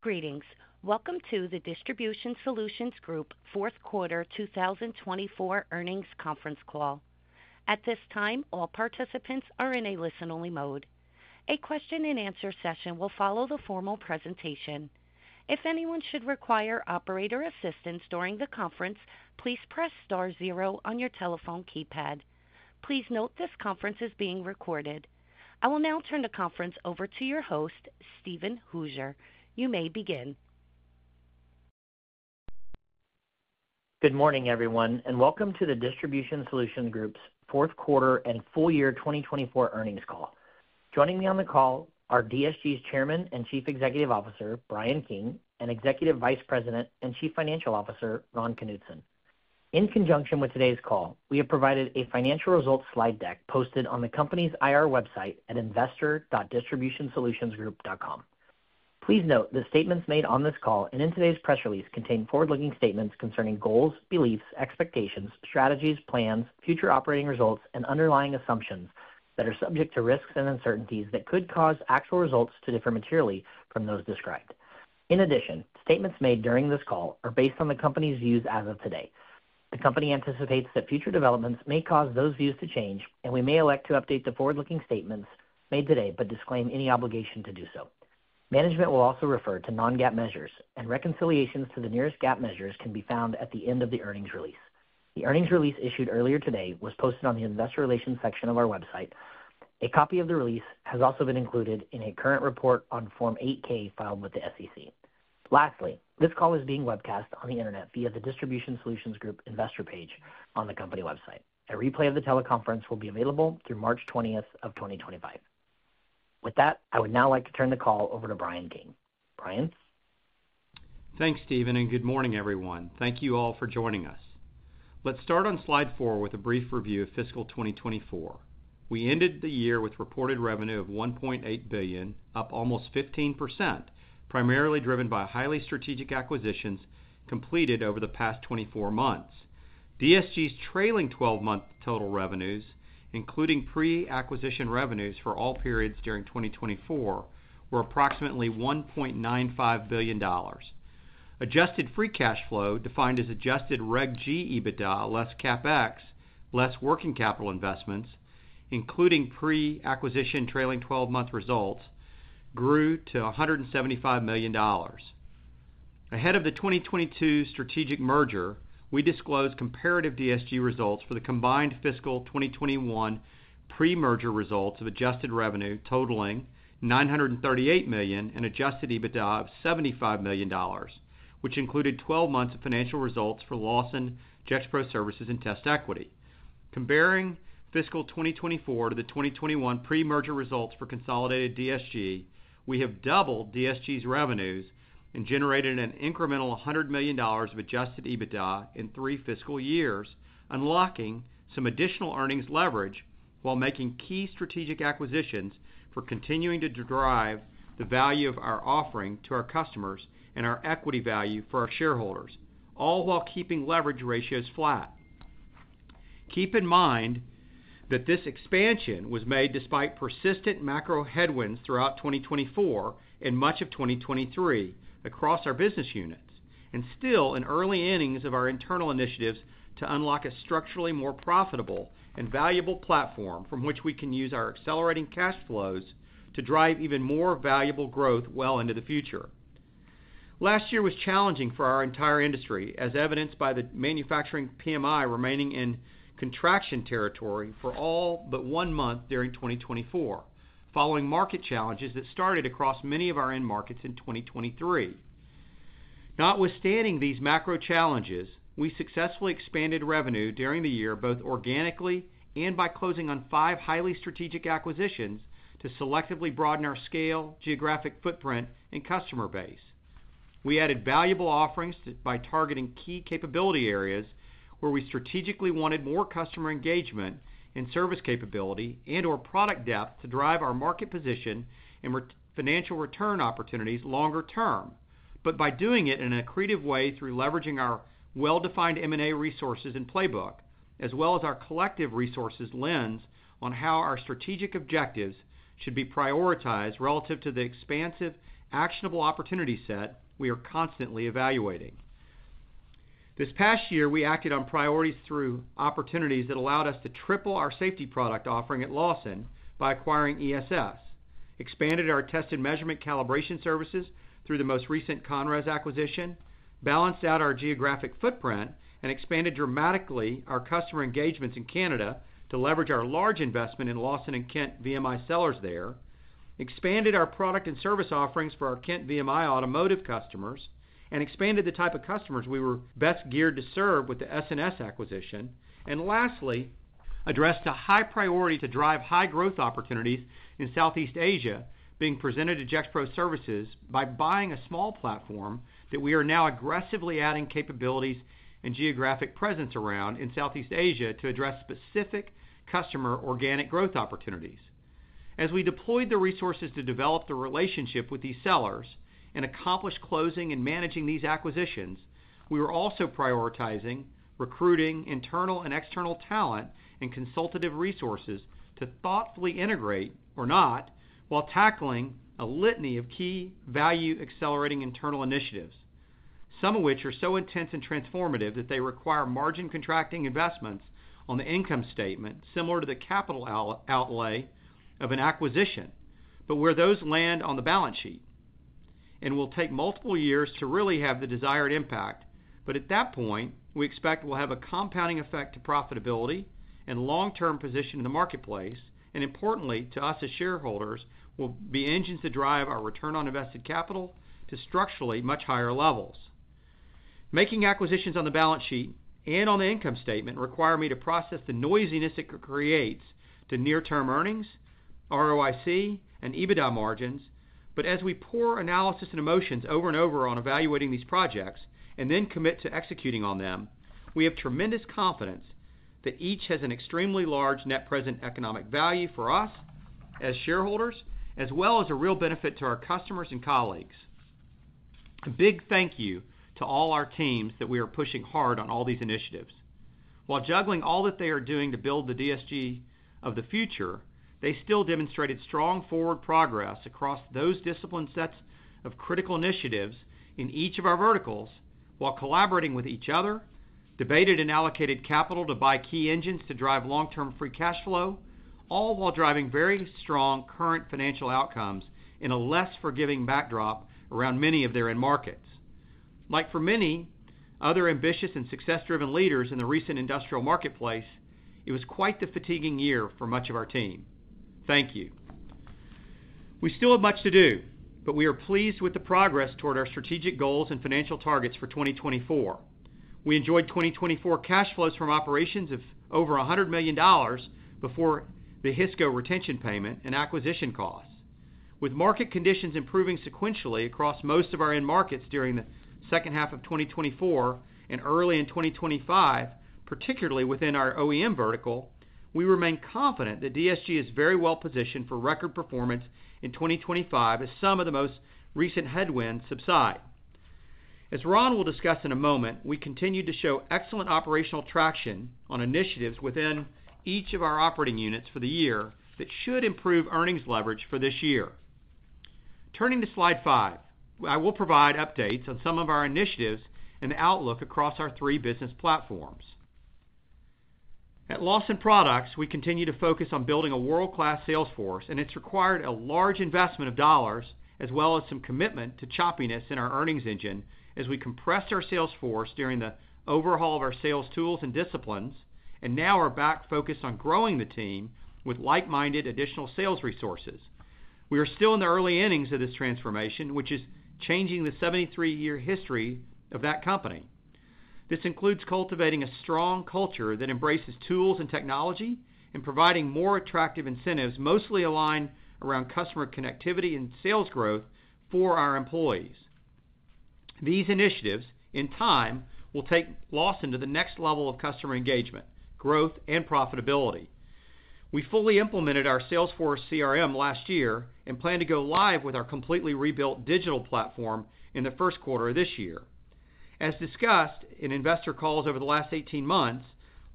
Greetings. Welcome to the Distribution Solutions Group fourth quarter 2024 earnings conference call. At this time, all participants are in a listen-only mode. A question-and-answer session will follow the formal presentation. If anyone should require operator assistance during the conference, please press star zero on your telephone keypad. Please note this conference is being recorded. I will now turn the conference over to your host, Steven Hooser. You may begin. Good morning, everyone, and welcome to the Distribution Solutions Group's fourth quarter and full year 2024 earnings call. Joining me on the call are DSG's Chairman and Chief Executive Officer, Bryan King, and Executive Vice President and Chief Financial Officer, Ron Knutson. In conjunction with today's call, we have provided a financial results slide deck posted on the company's IR website at investor.distributionsolutionsgroup.com. Please note the statements made on this call and in today's press release contain forward-looking statements concerning goals, beliefs, expectations, strategies, plans, future operating results, and underlying assumptions that are subject to risks and uncertainties that could cause actual results to differ materially from those described. In addition, statements made during this call are based on the company's views as of today. The company anticipates that future developments may cause those views to change, and we may elect to update the forward-looking statements made today but disclaim any obligation to do so. Management will also refer to non-GAAP measures, and reconciliations to the nearest GAAP measures can be found at the end of the earnings release. The earnings release issued earlier today was posted on the investor relations section of our website. A copy of the release has also been included in a current report on Form 8-K filed with the SEC. Lastly, this call is being webcast on the internet via the Distribution Solutions Group investor page on the company website. A replay of the teleconference will be available through March 20th of 2025. With that, I would now like to turn the call over to Bryan King. Bryan. Thanks, Steven, and good morning, everyone. Thank you all for joining us. Let's start on slide four with a brief review of fiscal 2024. We ended the year with reported revenue of $1.8 billion, up almost 15%, primarily driven by highly strategic acquisitions completed over the past 24 months. DSG's trailing 12-month total revenues, including pre-acquisition revenues for all periods during 2024, were approximately $1.95 billion. Adjusted free cash flow, defined as adjusted reg G EBITDA less CapEx less working capital investments, including pre-acquisition trailing 12-month results, grew to $175 million. Ahead of the 2022 strategic merger, we disclosed comparative DSG results for the combined fiscal 2021 pre-merger results of adjusted revenue totaling $938 million and adjusted EBITDA of $75 million, which included 12 months of financial results for Lawson, GexPro Services, and TestEquity. Comparing fiscal 2024 to the 2021 pre-merger results for consolidated DSG, we have doubled DSG's revenues and generated an incremental $100 million of adjusted EBITDA in three fiscal years, unlocking some additional earnings leverage while making key strategic acquisitions for continuing to drive the value of our offering to our customers and our equity value for our shareholders, all while keeping leverage ratios flat. Keep in mind that this expansion was made despite persistent macro headwinds throughout 2024 and much of 2023 across our business units, and still in early innings of our internal initiatives to unlock a structurally more profitable and valuable platform from which we can use our accelerating cash flows to drive even more valuable growth well into the future. Last year was challenging for our entire industry, as evidenced by the manufacturing PMI remaining in contraction territory for all but one month during 2024, following market challenges that started across many of our end markets in 2023. Notwithstanding these macro challenges, we successfully expanded revenue during the year both organically and by closing on five highly strategic acquisitions to selectively broaden our scale, geographic footprint, and customer base. We added valuable offerings by targeting key capability areas where we strategically wanted more customer engagement and service capability and/or product depth to drive our market position and financial return opportunities longer term, but by doing it in an accretive way through leveraging our well-defined M&A resources and playbook, as well as our collective resources lens on how our strategic objectives should be prioritized relative to the expansive actionable opportunity set we are constantly evaluating. This past year, we acted on priorities through opportunities that allowed us to triple our safety product offering at Lawson by acquiring ESS, expanded our test and measurement calibration services through the most recent ConRes acquisition, balanced out our geographic footprint, and expanded dramatically our customer engagements in Canada to leverage our large investment in Lawson and Kent VMI sellers there, expanded our product and service offerings for our Kent VMI automotive customers, and expanded the type of customers we were best geared to serve with the S&S acquisition. Lastly, we addressed a high priority to drive high growth opportunities in Southeast Asia being presented to GexPro Services by buying a small platform that we are now aggressively adding capabilities and geographic presence around in Southeast Asia to address specific customer organic growth opportunities. As we deployed the resources to develop the relationship with these sellers and accomplish closing and managing these acquisitions, we were also prioritizing recruiting internal and external talent and consultative resources to thoughtfully integrate or not while tackling a litany of key value-accelerating internal initiatives, some of which are so intense and transformative that they require margin contracting investments on the income statement similar to the capital outlay of an acquisition, but where those land on the balance sheet. It will take multiple years to really have the desired impact, but at that point, we expect we'll have a compounding effect to profitability and long-term position in the marketplace, and importantly, to us as shareholders, will be engines to drive our return on invested capital to structurally much higher levels. Making acquisitions on the balance sheet and on the income statement require me to process the noisiness it creates to near-term earnings, ROIC, and EBITDA margins, but as we pour analysis and emotions over and over on evaluating these projects and then commit to executing on them, we have tremendous confidence that each has an extremely large net present economic value for us as shareholders, as well as a real benefit to our customers and colleagues. A big thank you to all our teams that we are pushing hard on all these initiatives. While juggling all that they are doing to build the DSG of the future, they still demonstrated strong forward progress across those discipline sets of critical initiatives in each of our verticals while collaborating with each other, debated and allocated capital to buy key engines to drive long-term free cash flow, all while driving very strong current financial outcomes in a less forgiving backdrop around many of their end markets. Like for many other ambitious and success-driven leaders in the recent industrial marketplace, it was quite the fatiguing year for much of our team. Thank you. We still have much to do, but we are pleased with the progress toward our strategic goals and financial targets for 2024. We enjoyed 2024 cash flows from operations of over $100 million before the Hisco retention payment and acquisition costs. With market conditions improving sequentially across most of our end markets during the second half of 2024 and early in 2025, particularly within our OEM vertical, we remain confident that DSG is very well positioned for record performance in 2025 as some of the most recent headwinds subside. As Ron will discuss in a moment, we continued to show excellent operational traction on initiatives within each of our operating units for the year that should improve earnings leverage for this year. Turning to slide five, I will provide updates on some of our initiatives and the outlook across our three business platforms. At Lawson Products, we continue to focus on building a world-class sales force, and it's required a large investment of dollars as well as some commitment to choppiness in our earnings engine as we compressed our sales force during the overhaul of our sales tools and disciplines and now are back focused on growing the team with like-minded additional sales resources. We are still in the early innings of this transformation, which is changing the 73-year history of that company. This includes cultivating a strong culture that embraces tools and technology and providing more attractive incentives mostly aligned around customer connectivity and sales growth for our employees. These initiatives, in time, will take Lawson to the next level of customer engagement, growth, and profitability. We fully implemented our Salesforce CRM last year and plan to go live with our completely rebuilt digital platform in the first quarter of this year. As discussed in investor calls over the last 18 months,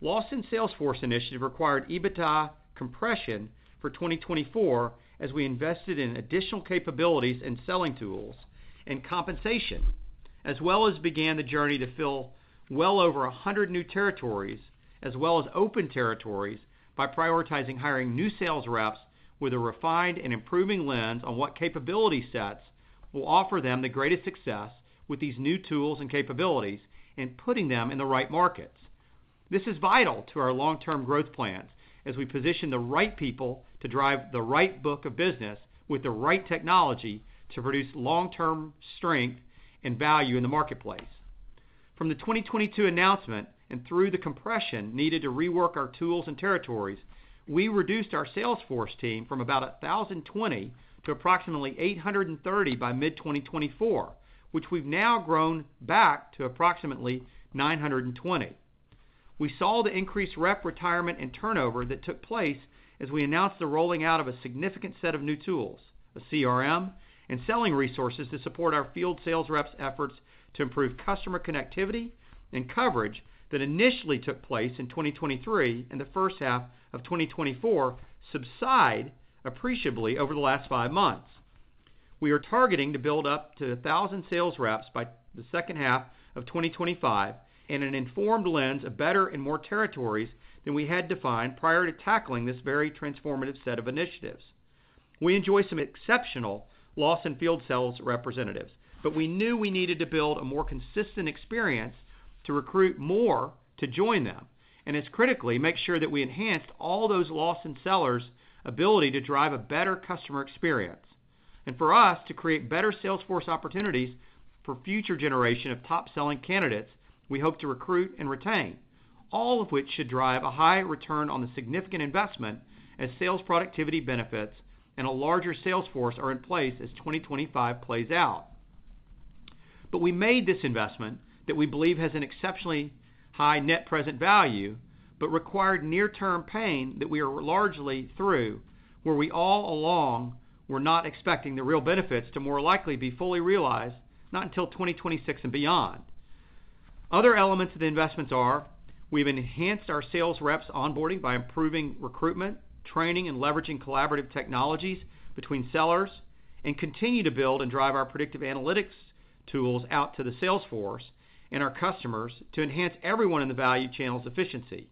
Lawson's Salesforce initiative required EBITDA compression for 2024 as we invested in additional capabilities and selling tools and compensation, as well as began the journey to fill well over 100 new territories as well as open territories by prioritizing hiring new sales reps with a refined and improving lens on what capability sets will offer them the greatest success with these new tools and capabilities and putting them in the right markets. This is vital to our long-term growth plans as we position the right people to drive the right book of business with the right technology to produce long-term strength and value in the marketplace. From the 2022 announcement and through the compression needed to rework our tools and territories, we reduced our Salesforce team from about 1,020 to approximately 830 by mid-2024, which we've now grown back to approximately 920. We saw the increased rep retirement and turnover that took place as we announced the rolling out of a significant set of new tools, a CRM, and selling resources to support our field sales reps' efforts to improve customer connectivity and coverage that initially took place in 2023 and the first half of 2024 subside appreciably over the last five months. We are targeting to build up to 1,000 sales reps by the second half of 2025 and an informed lens of better and more territories than we had defined prior to tackling this very transformative set of initiatives. We enjoy some exceptional Lawson field sales representatives, but we knew we needed to build a more consistent experience to recruit more to join them and, as critically, make sure that we enhanced all those Lawson sellers' ability to drive a better customer experience. For us to create better Salesforce opportunities for future generation of top-selling candidates, we hope to recruit and retain, all of which should drive a high return on the significant investment as sales productivity benefits and a larger Salesforce are in place as 2025 plays out. We made this investment that we believe has an exceptionally high net present value but required near-term pain that we are largely through where we all along were not expecting the real benefits to more likely be fully realized not until 2026 and beyond. Other elements of the investments are we've enhanced our sales reps' onboarding by improving recruitment, training, and leveraging collaborative technologies between sellers and continue to build and drive our predictive analytics tools out to the Salesforce and our customers to enhance everyone in the value channel's efficiency.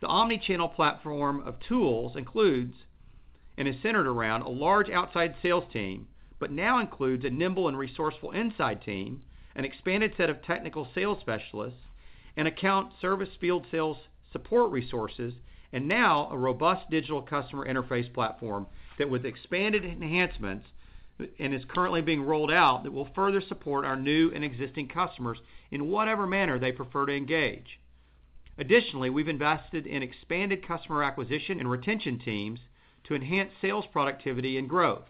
The omnichannel platform of tools includes and is centered around a large outside sales team, but now includes a nimble and resourceful inside team, an expanded set of technical sales specialists, an account service field sales support resources, and now a robust digital customer interface platform that, with expanded enhancements and is currently being rolled out, will further support our new and existing customers in whatever manner they prefer to engage. Additionally, we've invested in expanded customer acquisition and retention teams to enhance sales productivity and growth.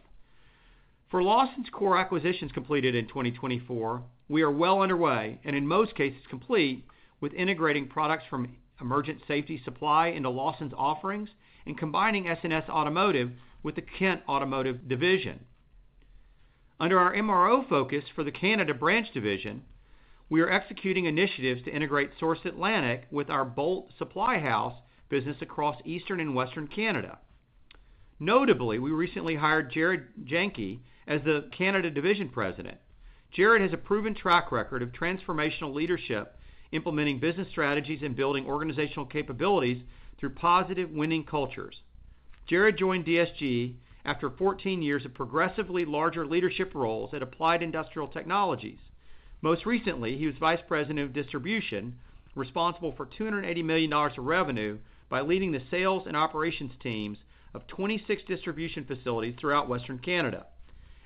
For Lawson's core acquisitions completed in 2024, we are well underway and, in most cases, complete with integrating products from Emergent Safety Supply into Lawson's offerings and combining S&S Automotive with the Kent Automotive division. Under our MRO focus for the Canada branch division, we are executing initiatives to integrate Source Atlantic with our Bolt Supply House business across eastern and western Canada. Notably, we recently hired Jarrod Jahnke as the Canada Division President. Jarrod has a proven track record of transformational leadership, implementing business strategies and building organizational capabilities through positive winning cultures. Jarrod joined DSG after 14 years of progressively larger leadership roles at Applied Industrial Technologies. Most recently, he was Vice President of Distribution, responsible for $280 million of revenue by leading the sales and operations teams of 26 distribution facilities throughout western Canada.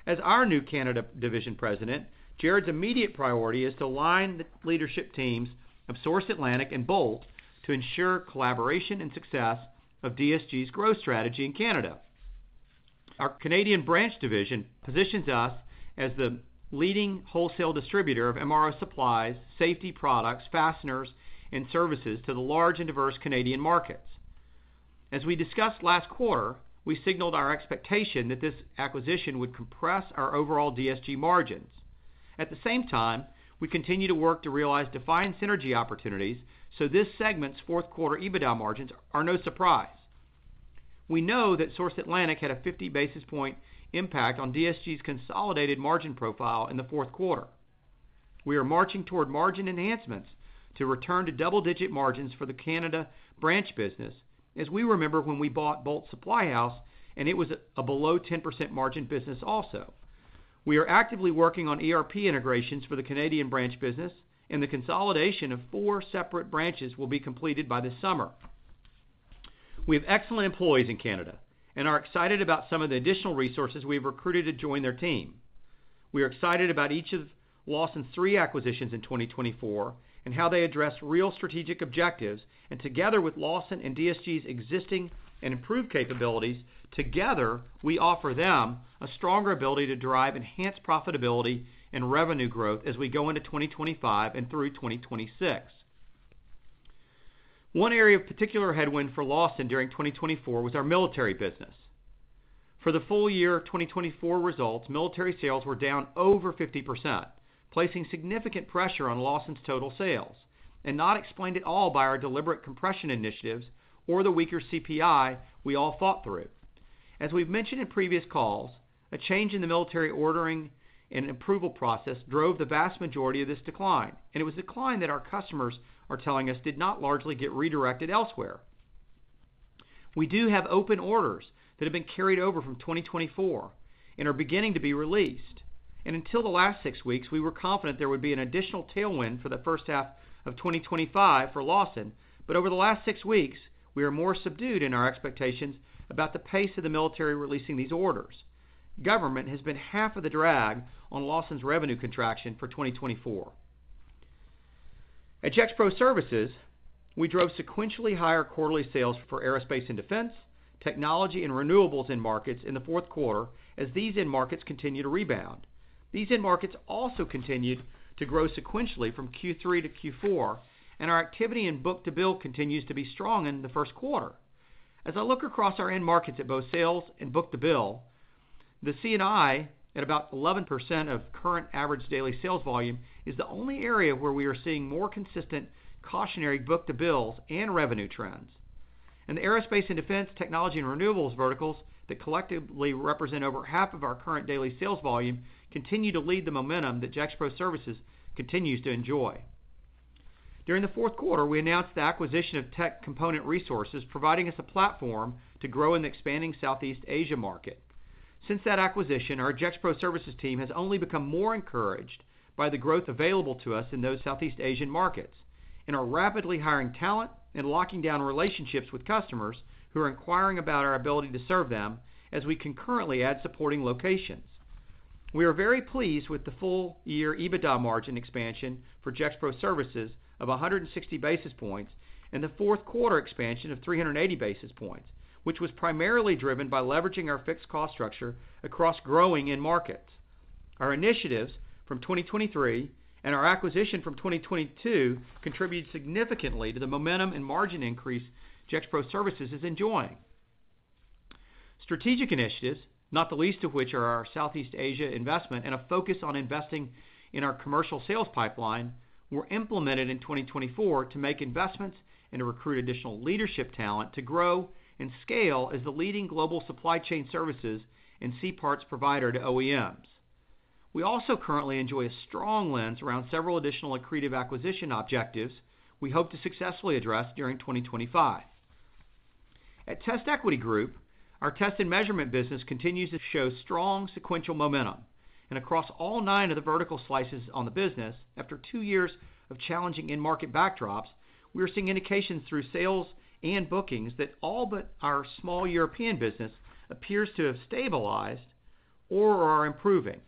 As our new Canada Division President, Jarrod's immediate priority is to align the leadership teams of Source Atlantic and Bolt to ensure collaboration and success of DSG's growth strategy in Canada. Our Canadian branch division positions us as the leading wholesale distributor of MRO supplies, safety products, fasteners, and services to the large and diverse Canadian markets. As we discussed last quarter, we signaled our expectation that this acquisition would compress our overall DSG margins. At the same time, we continue to work to realize defined synergy opportunities, so this segment's fourth quarter EBITDA margins are no surprise. We know that Source Atlantic had a 50 basis point impact on DSG's consolidated margin profile in the fourth quarter. We are marching toward margin enhancements to return to double-digit margins for the Canada branch business, as we remember when we bought Bolt Supply House, and it was a below 10% margin business also. We are actively working on ERP integrations for the Canadian branch business, and the consolidation of four separate branches will be completed by this summer. We have excellent employees in Canada and are excited about some of the additional resources we have recruited to join their team. We are excited about each of Lawson's three acquisitions in 2024 and how they address real strategic objectives. Together with Lawson and DSG's existing and improved capabilities, together, we offer them a stronger ability to drive enhanced profitability and revenue growth as we go into 2025 and through 2026. One area of particular headwind for Lawson during 2024 was our military business. For the full year 2024 results, military sales were down over 50%, placing significant pressure on Lawson's total sales, and not explained at all by our deliberate compression initiatives or the weaker CPI we all fought through. As we've mentioned in previous calls, a change in the military ordering and approval process drove the vast majority of this decline, and it was a decline that our customers are telling us did not largely get redirected elsewhere. We do have open orders that have been carried over from 2024 and are beginning to be released. Until the last six weeks, we were confident there would be an additional tailwind for the first half of 2025 for Lawson, but over the last six weeks, we are more subdued in our expectations about the pace of the military releasing these orders. Government has been half of the drag on Lawson's revenue contraction for 2024. At Gexpro Services, we drove sequentially higher quarterly sales for aerospace and defense, technology, and renewables in markets in the fourth quarter as these end markets continue to rebound. These end markets also continued to grow sequentially from Q3 to Q4, and our activity in book to bill continues to be strong in the first quarter. As I look across our end markets at both sales and book to bill, the CNI at about 11% of current average daily sales volume is the only area where we are seeing more consistent cautionary book to bills and revenue trends. The aerospace and defense, technology, and renewables verticals that collectively represent over half of our current daily sales volume continue to lead the momentum that Gexpro Services continues to enjoy. During the fourth quarter, we announced the acquisition of Tech-Component Resources, providing us a platform to grow in the expanding Southeast Asia market. Since that acquisition, our Gexpro Services team has only become more encouraged by the growth available to us in those Southeast Asian markets and are rapidly hiring talent and locking down relationships with customers who are inquiring about our ability to serve them as we concurrently add supporting locations. We are very pleased with the full year EBITDA margin expansion for Gexpro Services of 160 basis points and the fourth quarter expansion of 380 basis points, which was primarily driven by leveraging our fixed cost structure across growing end markets. Our initiatives from 2023 and our acquisition from 2022 contribute significantly to the momentum and margin increase Gexpro Services is enjoying. Strategic initiatives, not the least of which are our Southeast Asia investment and a focus on investing in our commercial sales pipeline, were implemented in 2024 to make investments and to recruit additional leadership talent to grow and scale as the leading global supply chain services and sea parts provider to OEMs. We also currently enjoy a strong lens around several additional accretive acquisition objectives we hope to successfully address during 2025. At TestEquity Group, our test and measurement business continues to show strong sequential momentum. Across all nine of the vertical slices on the business, after two years of challenging in-market backdrops, we are seeing indications through sales and bookings that all but our small European business appears to have stabilized or are improving.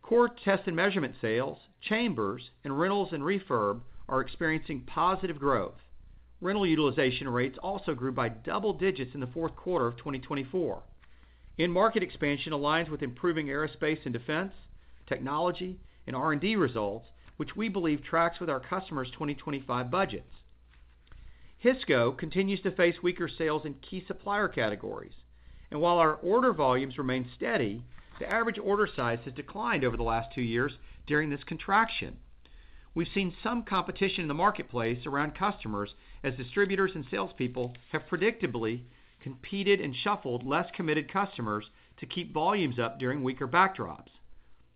Core test and measurement sales, chambers, and rentals and refurb are experiencing positive growth. Rental utilization rates also grew by double digits in the fourth quarter of 2024. In-market expansion aligns with improving aerospace and defense, technology, and R&D results, which we believe tracks with our customers' 2025 budgets. Hisco continues to face weaker sales in key supplier categories. While our order volumes remain steady, the average order size has declined over the last two years during this contraction. We have seen some competition in the marketplace around customers as distributors and salespeople have predictably competed and shuffled less committed customers to keep volumes up during weaker backdrops.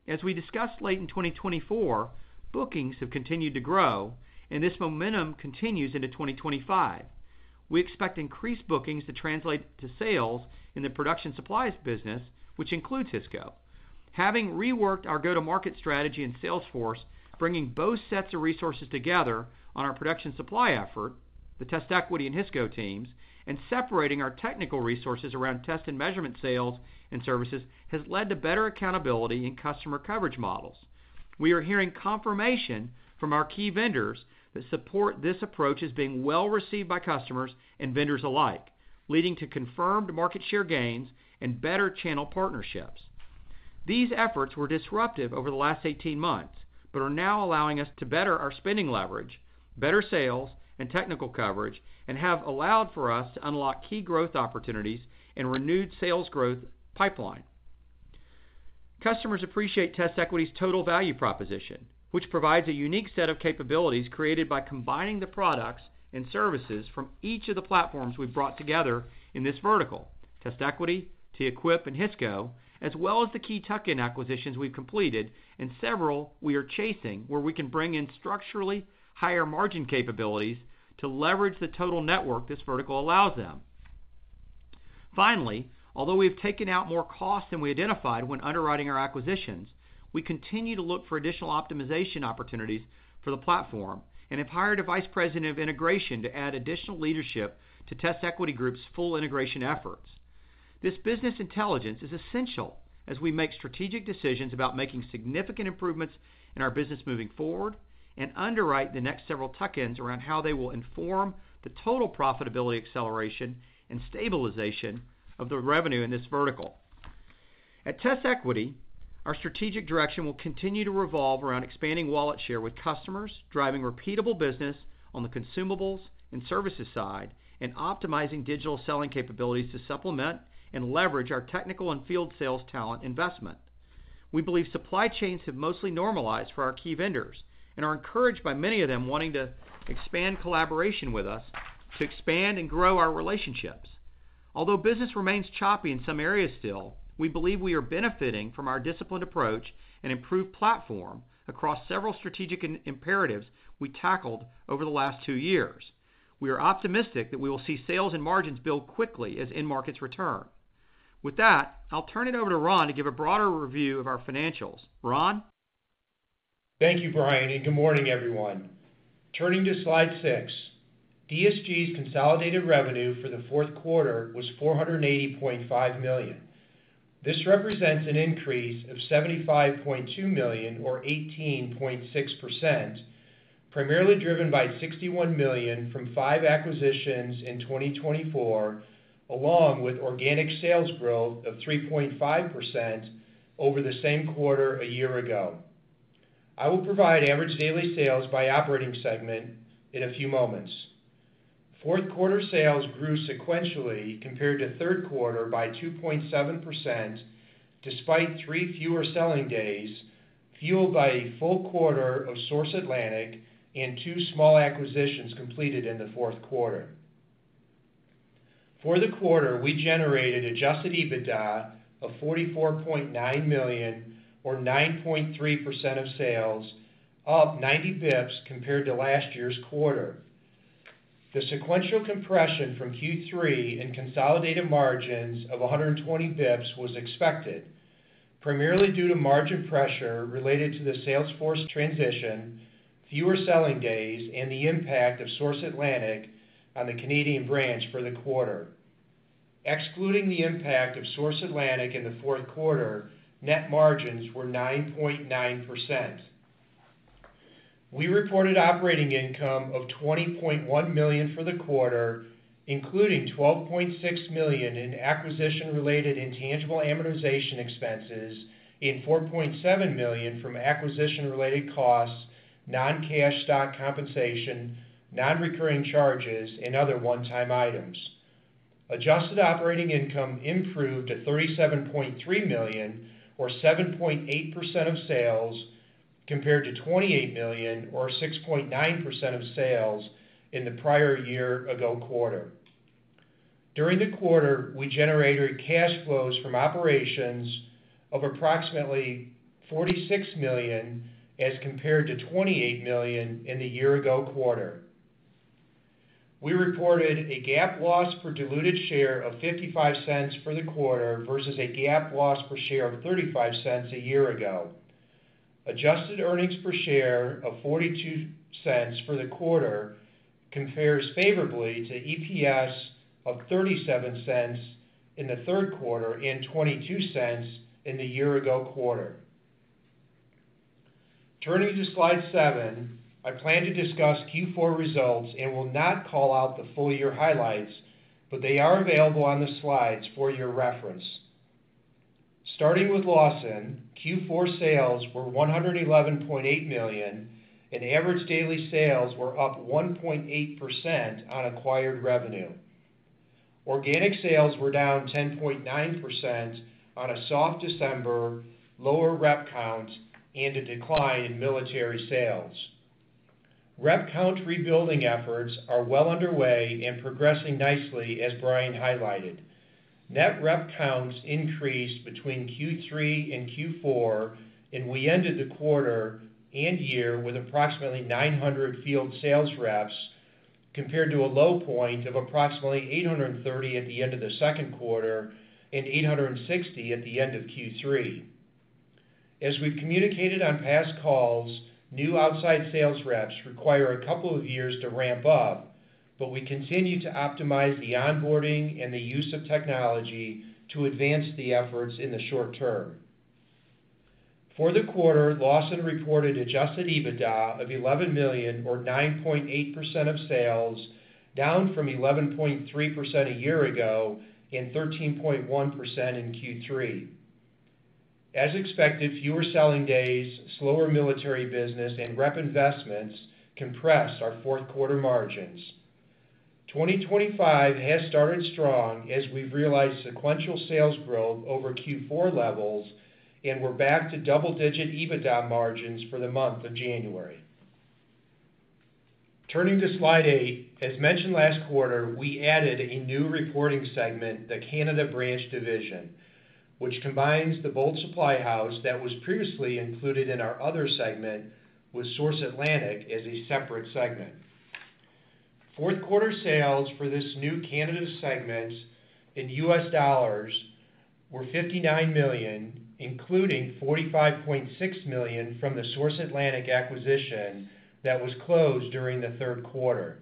As we discussed late in 2024, bookings have continued to grow, and this momentum continues into 2025. We expect increased bookings to translate to sales in the production supplies business, which includes Hisco. Having reworked our go-to-market strategy in Salesforce, bringing both sets of resources together on our production supply effort, the TestEquity and Hisco teams, and separating our technical resources around test and measurement sales and services has led to better accountability in customer coverage models. We are hearing confirmation from our key vendors that support this approach as being well received by customers and vendors alike, leading to confirmed market share gains and better channel partnerships. These efforts were disruptive over the last 18 months but are now allowing us to better our spending leverage, better sales, and technical coverage, and have allowed for us to unlock key growth opportunities and renewed sales growth pipeline. Customers appreciate TestEquity's total value proposition, which provides a unique set of capabilities created by combining the products and services from each of the platforms we've brought together in this vertical: TestEquity, TEquip, and Hisco, as well as the key tuck-in acquisitions we've completed, and several we are chasing where we can bring in structurally higher margin capabilities to leverage the total network this vertical allows them. Finally, although we have taken out more costs than we identified when underwriting our acquisitions, we continue to look for additional optimization opportunities for the platform and have hired a Vice President of Integration to add additional leadership to TestEquity Group's full integration efforts. This business intelligence is essential as we make strategic decisions about making significant improvements in our business moving forward and underwrite the next several tuck-ins around how they will inform the total profitability acceleration and stabilization of the revenue in this vertical. At TestEquity, our strategic direction will continue to revolve around expanding wallet share with customers, driving repeatable business on the consumables and services side, and optimizing digital selling capabilities to supplement and leverage our technical and field sales talent investment. We believe supply chains have mostly normalized for our key vendors and are encouraged by many of them wanting to expand collaboration with us to expand and grow our relationships. Although business remains choppy in some areas still, we believe we are benefiting from our disciplined approach and improved platform across several strategic imperatives we tackled over the last two years. We are optimistic that we will see sales and margins build quickly as end markets return. With that, I'll turn it over to Ron to give a broader review of our financials. Ron? Thank you, Bryan, and good morning, everyone. Turning to slide six, DSG's consolidated revenue for the fourth quarter was $480.5 million. This represents an increase of $75.2 million or 18.6%, primarily driven by $61 million from five acquisitions in 2024, along with organic sales growth of 3.5% over the same quarter a year ago. I will provide average daily sales by operating segment in a few moments. Fourth quarter sales grew sequentially compared to third quarter by 2.7%, despite three fewer selling days, fueled by a full quarter of Source Atlantic and two small acquisitions completed in the fourth quarter. For the quarter, we generated adjusted EBITDA of $44.9 million or 9.3% of sales, up 90 bps compared to last year's quarter. The sequential compression from Q3 and consolidated margins of 120 bps was expected, primarily due to margin pressure related to the Salesforce transition, fewer selling days, and the impact of Source Atlantic on the Canadian branch for the quarter. Excluding the impact of Source Atlantic in the fourth quarter, net margins were 9.9%. We reported operating income of $20.1 million for the quarter, including $12.6 million in acquisition-related intangible amortization expenses and $4.7 million from acquisition-related costs, non-cash stock compensation, non-recurring charges, and other one-time items. Adjusted operating income improved to $37.3 million or 7.8% of sales compared to $28 million or 6.9% of sales in the prior year ago quarter. During the quarter, we generated cash flows from operations of approximately $46 million as compared to $28 million in the year ago quarter. We reported a GAAP loss per diluted share of $0.55 for the quarter versus a GAAP loss per share of $0.35 a year ago. Adjusted earnings per share of $0.42 for the quarter compares favorably to EPS of $0.37 in the third quarter and $0.22 in the year ago quarter. Turning to slide seven, I plan to discuss Q4 results and will not call out the full year highlights, but they are available on the slides for your reference. Starting with Lawson, Q4 sales were $111.8 million, and average daily sales were up 1.8% on acquired revenue. Organic sales were down 10.9% on a soft December, lower rep count, and a decline in military sales. Rep count rebuilding efforts are well underway and progressing nicely as Bryan highlighted. Net rep counts increased between Q3 and Q4, and we ended the quarter and year with approximately 900 field sales reps compared to a low point of approximately 830 at the end of the second quarter and 860 at the end of Q3. As we've communicated on past calls, new outside sales reps require a couple of years to ramp up, but we continue to optimize the onboarding and the use of technology to advance the efforts in the short term. For the quarter, Lawson reported adjusted EBITDA of $11 million or 9.8% of sales, down from 11.3% a year ago and 13.1% in Q3. As expected, fewer selling days, slower military business, and rep investments compress our fourth quarter margins. 2025 has started strong as we've realized sequential sales growth over Q4 levels, and we're back to double-digit EBITDA margins for the month of January. Turning to slide eight, as mentioned last quarter, we added a new reporting segment, the Canada Branch Division, which combines the Bolt Supply House that was previously included in our other segment with Source Atlantic as a separate segment. Fourth quarter sales for this new Canada segment in US dollars were $59 million, including $45.6 million from the Source Atlantic acquisition that was closed during the third quarter.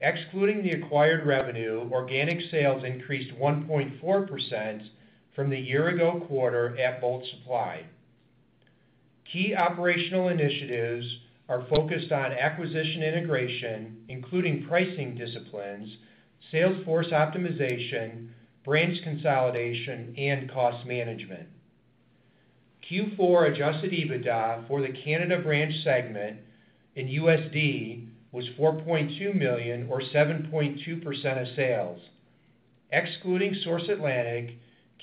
Excluding the acquired revenue, organic sales increased 1.4% from the year ago quarter at Bolt Supply. Key operational initiatives are focused on acquisition integration, including pricing disciplines, Salesforce optimization, branch consolidation, and cost management. Q4 adjusted EBITDA for the Canada Branch segment in USD was $4.2 million or 7.2% of sales. Excluding Source Atlantic,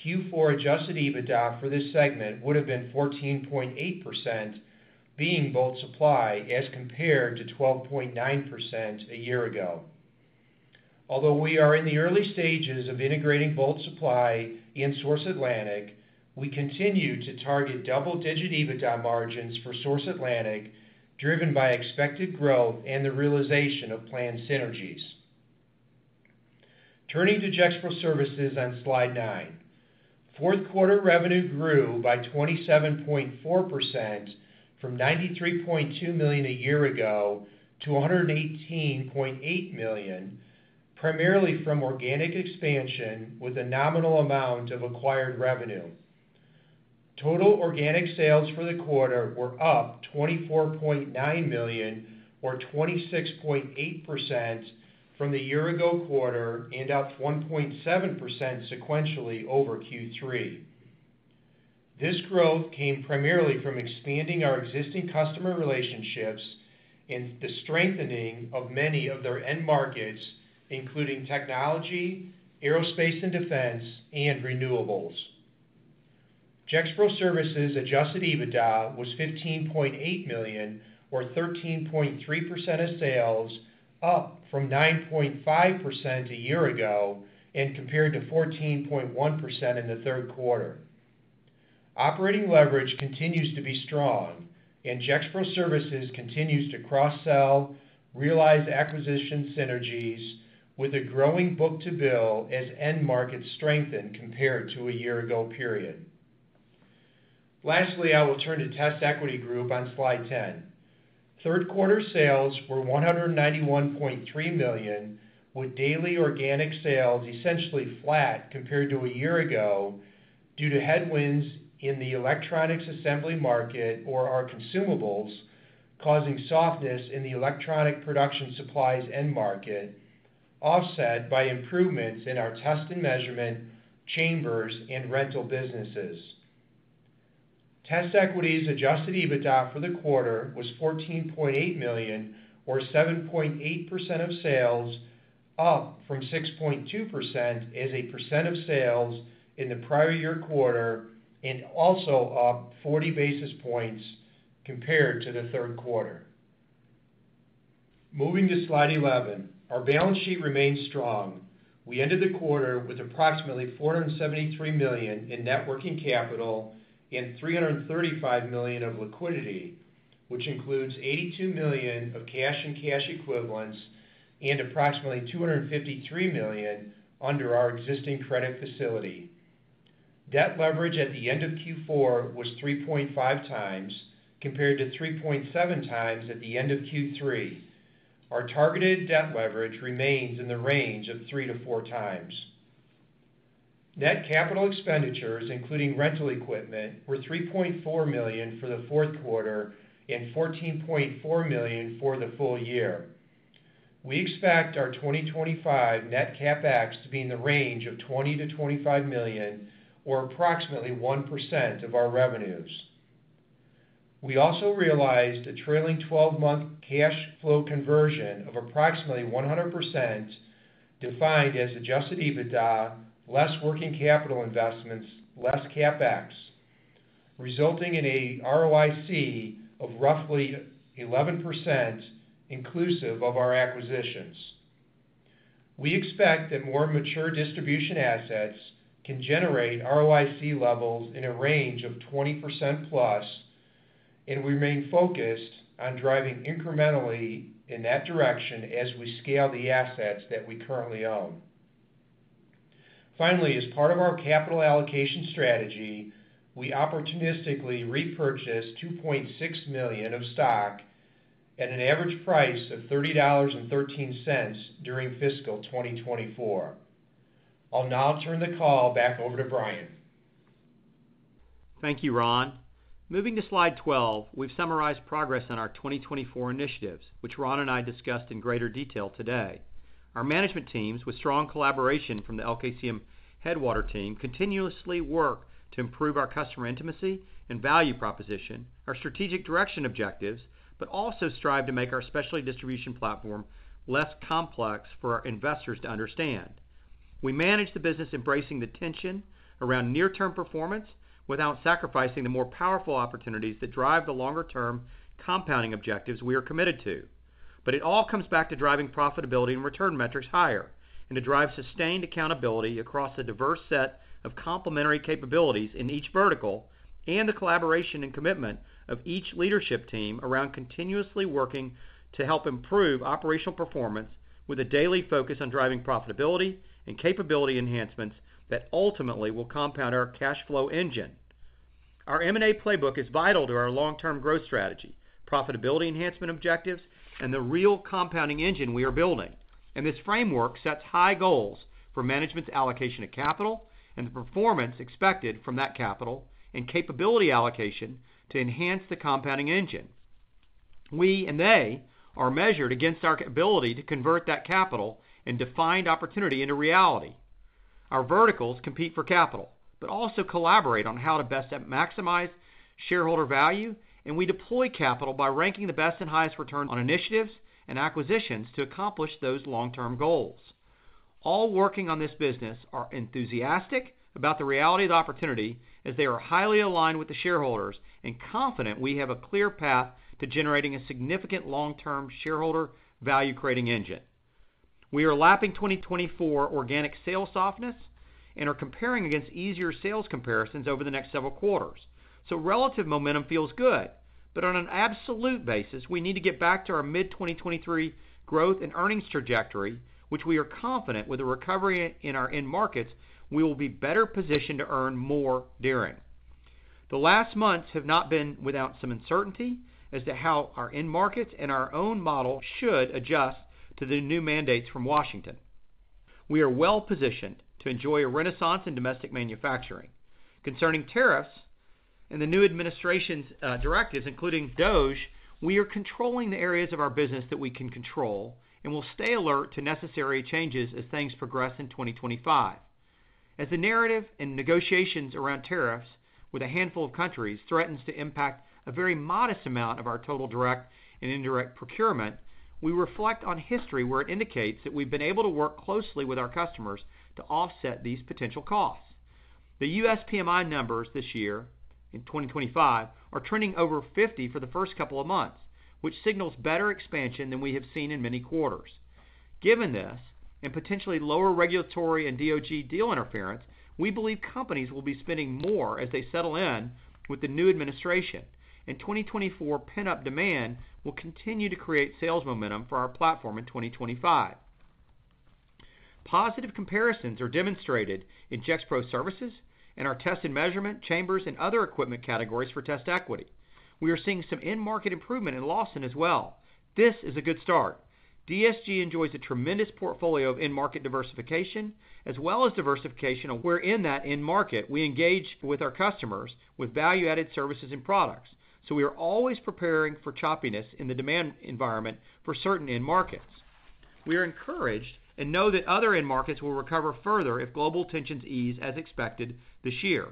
Q4 adjusted EBITDA for this segment would have been 14.8%, being Bolt Supply as compared to 12.9% a year ago. Although we are in the early stages of integrating Bolt Supply and Source Atlantic, we continue to target double-digit EBITDA margins for Source Atlantic, driven by expected growth and the realization of planned synergies. Turning to Gexpro Services on slide nine, fourth quarter revenue grew by 27.4% from $93.2 million a year ago to $118.8 million, primarily from organic expansion with a nominal amount of acquired revenue. Total organic sales for the quarter were up $24.9 million or 26.8% from the year ago quarter and up 1.7% sequentially over Q3. This growth came primarily from expanding our existing customer relationships and the strengthening of many of their end markets, including technology, aerospace and defense, and renewables. Gexpro Services adjusted EBITDA was $15.8 million or 13.3% of sales, up from $9.5 million a year ago and compared to $14.1 million in the third quarter. Operating leverage continues to be strong, and Gexpro Services continues to cross-sell, realize acquisition synergies with a growing book to bill as end markets strengthen compared to a year ago period. Lastly, I will turn to TestEquity Group on slide 10. Third quarter sales were $191.3 million, with daily organic sales essentially flat compared to a year ago due to headwinds in the electronics assembly market or our consumables causing softness in the electronic production supplies end market, offset by improvements in our test and measurement chambers and rental businesses. TestEquity's adjusted EBITDA for the quarter was $14.8 million or 7.8% of sales, up from 6.2% as a percent of sales in the prior year quarter and also up 40 basis points compared to the third quarter. Moving to slide 11, our balance sheet remains strong. We ended the quarter with approximately $473 million in net working capital and $335 million of liquidity, which includes $82 million of cash and cash equivalents and approximately $253 million under our existing credit facility. Debt leverage at the end of Q4 was 3.5 times compared to 3.7 times at the end of Q3. Our targeted debt leverage remains in the range of three to four times. Net capital expenditures, including rental equipment, were $3.4 million for the fourth quarter and $14.4 million for the full year. We expect our 2025 net CapEx to be in the range of $20 million-$25 million or approximately 1% of our revenues. We also realized a trailing 12-month cash flow conversion of approximately 100%, defined as adjusted EBITDA, less working capital investments, less CapEx, resulting in a ROIC of roughly 11% inclusive of our acquisitions. We expect that more mature distribution assets can generate ROIC levels in a range of 20% plus, and we remain focused on driving incrementally in that direction as we scale the assets that we currently own. Finally, as part of our capital allocation strategy, we opportunistically repurchased $2.6 million of stock at an average price of $30.13 during fiscal 2024. I'll now turn the call back over to Bryan. Thank you, Ron. Moving to slide 12, we've summarized progress on our 2024 initiatives, which Ron and I discussed in greater detail today. Our management teams, with strong collaboration from the LKCM Headwater team, continuously work to improve our customer intimacy and value proposition, our strategic direction objectives, but also strive to make our specialty distribution platform less complex for our investors to understand. We manage the business embracing the tension around near-term performance without sacrificing the more powerful opportunities that drive the longer-term compounding objectives we are committed to. It all comes back to driving profitability and return metrics higher and to drive sustained accountability across a diverse set of complementary capabilities in each vertical and the collaboration and commitment of each leadership team around continuously working to help improve operational performance with a daily focus on driving profitability and capability enhancements that ultimately will compound our cash flow engine. Our M&A playbook is vital to our long-term growth strategy, profitability enhancement objectives, and the real compounding engine we are building. This framework sets high goals for management's allocation of capital and the performance expected from that capital and capability allocation to enhance the compounding engine. We and they are measured against our ability to convert that capital and defined opportunity into reality. Our verticals compete for capital, but also collaborate on how to best maximize shareholder value, and we deploy capital by ranking the best and highest return on initiatives and acquisitions to accomplish those long-term goals. All working on this business are enthusiastic about the reality of the opportunity as they are highly aligned with the shareholders and confident we have a clear path to generating a significant long-term shareholder value-creating engine. We are lapping 2024 organic sales softness and are comparing against easier sales comparisons over the next several quarters. Relative momentum feels good, but on an absolute basis, we need to get back to our mid-2023 growth and earnings trajectory, which we are confident with a recovery in our end markets, we will be better positioned to earn more during. The last months have not been without some uncertainty as to how our end markets and our own model should adjust to the new mandates from Washington. We are well positioned to enjoy a renaissance in domestic manufacturing. Concerning tariffs and the new administration's directives, including DOGE, we are controlling the areas of our business that we can control and will stay alert to necessary changes as things progress in 2025. As the narrative and negotiations around tariffs with a handful of countries threatens to impact a very modest amount of our total direct and indirect procurement, we reflect on history where it indicates that we've been able to work closely with our customers to offset these potential costs. The U.S. PMI numbers this year in 2025 are trending over 50 for the first couple of months, which signals better expansion than we have seen in many quarters. Given this and potentially lower regulatory and DSG deal interference, we believe companies will be spending more as they settle in with the new administration. The 2024 pent-up demand will continue to create sales momentum for our platform in 2025. Positive comparisons are demonstrated in Gexpro Services and our test and measurement chambers and other equipment categories TestEquity group. We are seeing some end market improvement in Lawson as well. This is a good start. DSG enjoys a tremendous portfolio of end market diversification as well as diversification wherein that end market we engage with our customers with value-added services and products. We are always preparing for choppiness in the demand environment for certain end markets. We are encouraged and know that other end markets will recover further if global tensions ease as expected this year.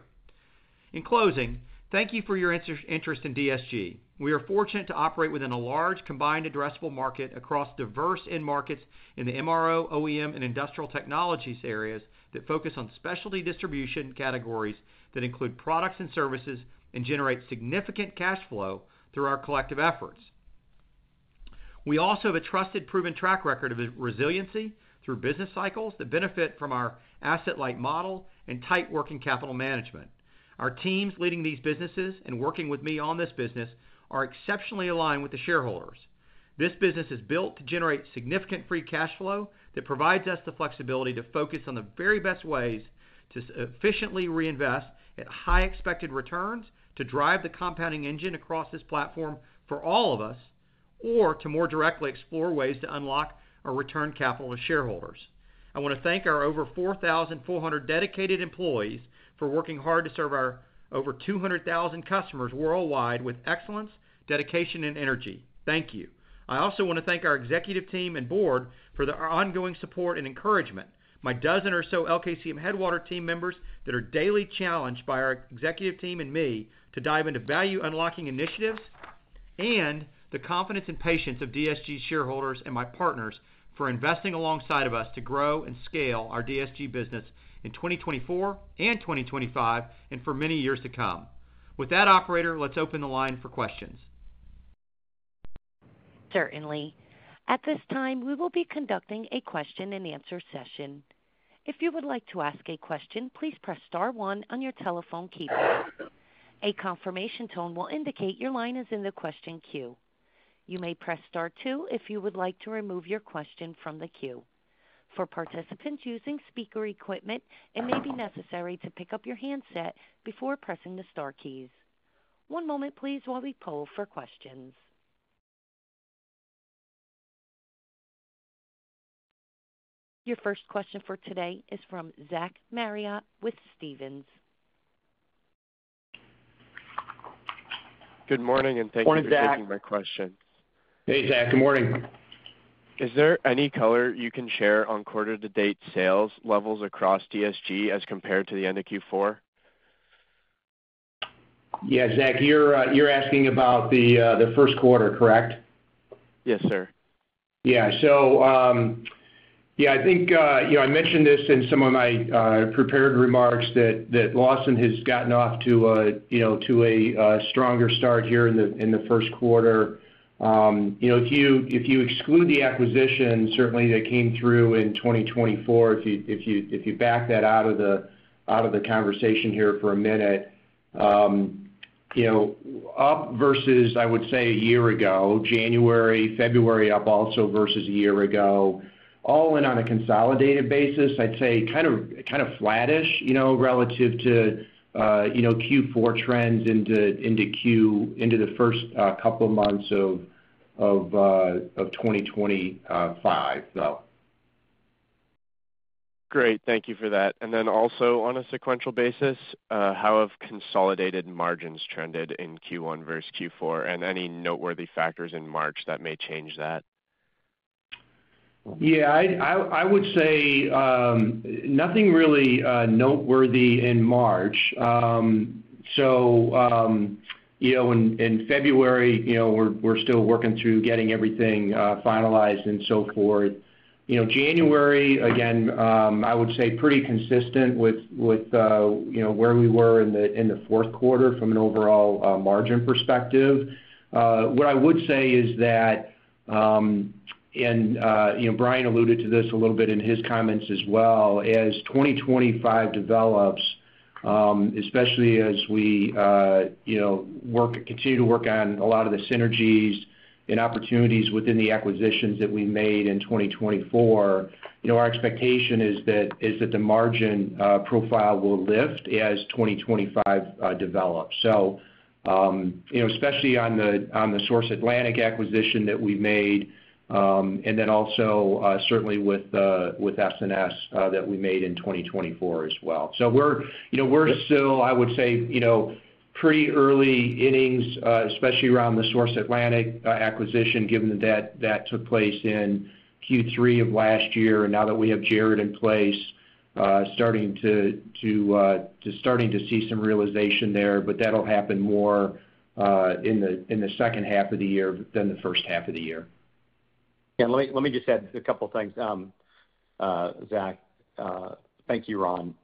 In closing, thank you for your interest in DSG. We are fortunate to operate within a large combined addressable market across diverse end markets in the MRO, OEM, and industrial technologies areas that focus on specialty distribution categories that include products and services and generate significant cash flow through our collective efforts. We also have a trusted proven track record of resiliency through business cycles that benefit from our asset-like model and tight working capital management. Our teams leading these businesses and working with me on this business are exceptionally aligned with the shareholders. This business is built to generate significant free cash flow that provides us the flexibility to focus on the very best ways to efficiently reinvest at high expected returns to drive the compounding engine across this platform for all of us, or to more directly explore ways to unlock our return capital to shareholders. I want to thank our over 4,400 dedicated employees for working hard to serve our over 200,000 customers worldwide with excellence, dedication, and energy. Thank you. I also want to thank our executive team and board for their ongoing support and encouragement. My dozen or so LKCM Headwater team members that are daily challenged by our executive team and me to dive into value unlocking initiatives and the confidence and patience of DSG shareholders and my partners for investing alongside of us to grow and scale our DSG business in 2024 and 2025 and for many years to come. With that, operator, let's open the line for questions. Certainly. At this time, we will be conducting a question-and-answer session. If you would like to ask a question, please press star one on your telephone keypad. A confirmation tone will indicate your line is in the question queue. You may press star two if you would like to remove your question from the queue. For participants using speaker equipment, it may be necessary to pick up your handset before pressing the star keys. One moment, please, while we poll for questions. Your first question for today is from Zach Marriott with Stephens. Good morning and thank you for taking my questions. Hey, Zach. Good morning. Is there any color you can share on quarter-to-date sales levels across DSG as compared to the end of Q4? Yeah, Zach, you're asking about the first quarter, correct? Yes, sir. Yeah. I think I mentioned this in some of my prepared remarks that Lawson has gotten off to a stronger start here in the first quarter. If you exclude the acquisition, certainly that came through in 2024, if you back that out of the conversation here for a minute, up versus, I would say, a year ago, January, February up also versus a year ago, all in on a consolidated basis, I'd say kind of flattish relative to Q4 trends into the first couple of months of 2025, though. Great. Thank you for that. Also, on a sequential basis, how have consolidated margins trended in Q1 versus Q4 and any noteworthy factors in March that may change that? I would say nothing really noteworthy in March. In February, we are still working through getting everything finalized and so forth. January, again, I would say pretty consistent with where we were in the fourth quarter from an overall margin perspective. What I would say is that, and Bryan alluded to this a little bit in his comments as well, as 2025 develops, especially as we continue to work on a lot of the synergies and opportunities within the acquisitions that we made in 2024, our expectation is that the margin profile will lift as 2025 develops. Especially on the Source Atlantic acquisition that we made and then also certainly with S&S that we made in 2024 as well. We're still, I would say, pretty early innings, especially around the Source Atlantic acquisition, given that that took place in Q3 of last year. Now that we have Jarrod in place, starting to see some realization there, but that'll happen more in the second half of the year than the first half of the year. Yeah. Let me just add a couple of things, Zach. Thank you, Ron.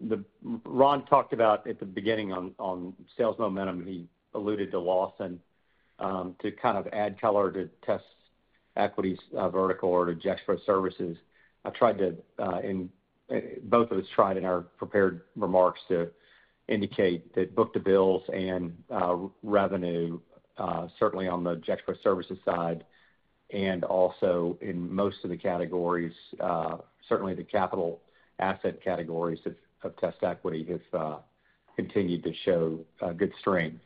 Ron talked about at the beginning on sales momentum, he alluded to Lawson to kind of add color to TestEquity's vertical or to Gexpro Services. I tried to, and both of us tried in our prepared remarks to indicate that book to bills and revenue, certainly on the Gexpro Services side and also in most of the categories, certainly the capital asset categories of TestEquity have continued to show good strength,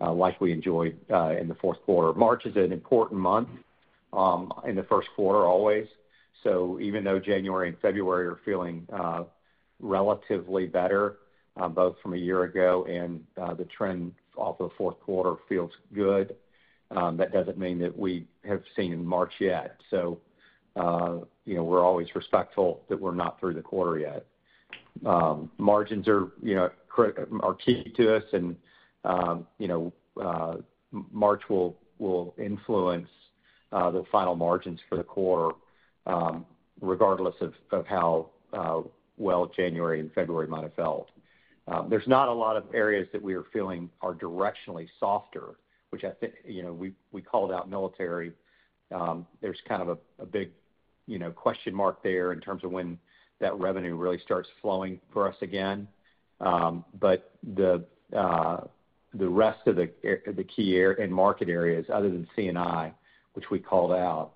like we enjoyed in the fourth quarter. March is an important month in the first quarter always. Even though January and February are feeling relatively better, both from a year ago and the trend off of the fourth quarter feels good, that does not mean that we have seen in March yet. We are always respectful that we are not through the quarter yet. Margins are key to us, and March will influence the final margins for the quarter, regardless of how well January and February might have felt. There's not a lot of areas that we are feeling are directionally softer, which I think we called out military. There's kind of a big question mark there in terms of when that revenue really starts flowing for us again. The rest of the key market areas, other than CNI, which we called out,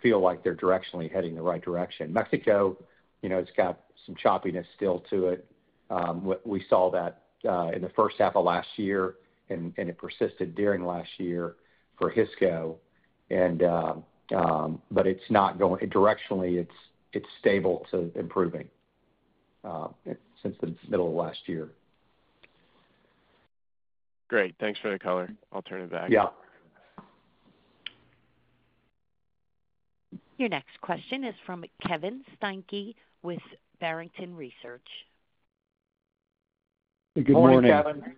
feel like they're directionally heading the right direction. Mexico, it's got some choppiness still to it. We saw that in the first half of last year, and it persisted during last year for Hisco. It's not going directionally, it's stable to improving since the middle of last year. Great. Thanks for the color. I'll turn it back. Yeah. Your next question is from Kevin Steinke with Barrington Research. Good morning. Morning, Kevin.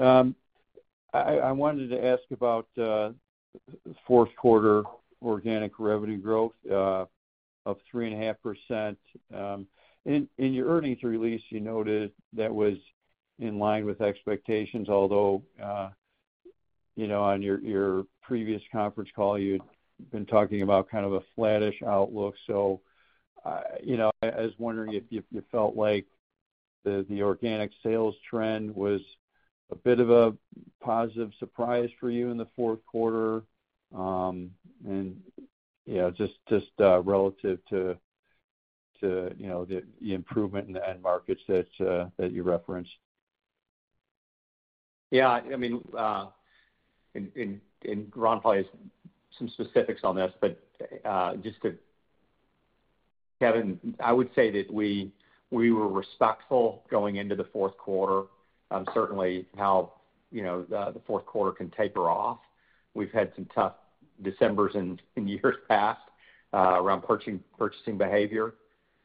I wanted to ask about the fourth quarter organic revenue growth of 3.5%. In your earnings release, you noted that was in line with expectations, although on your previous conference call, you had been talking about kind of a flattish outlook. I was wondering if you felt like the organic sales trend was a bit of a positive surprise for you in the fourth quarter and just relative to the improvement in the end markets that you referenced. Yeah. I mean, and Ron probably has some specifics on this, but just to Kevin, I would say that we were respectful going into the fourth quarter, certainly how the fourth quarter can taper off. We've had some tough December's in years past around purchasing behavior.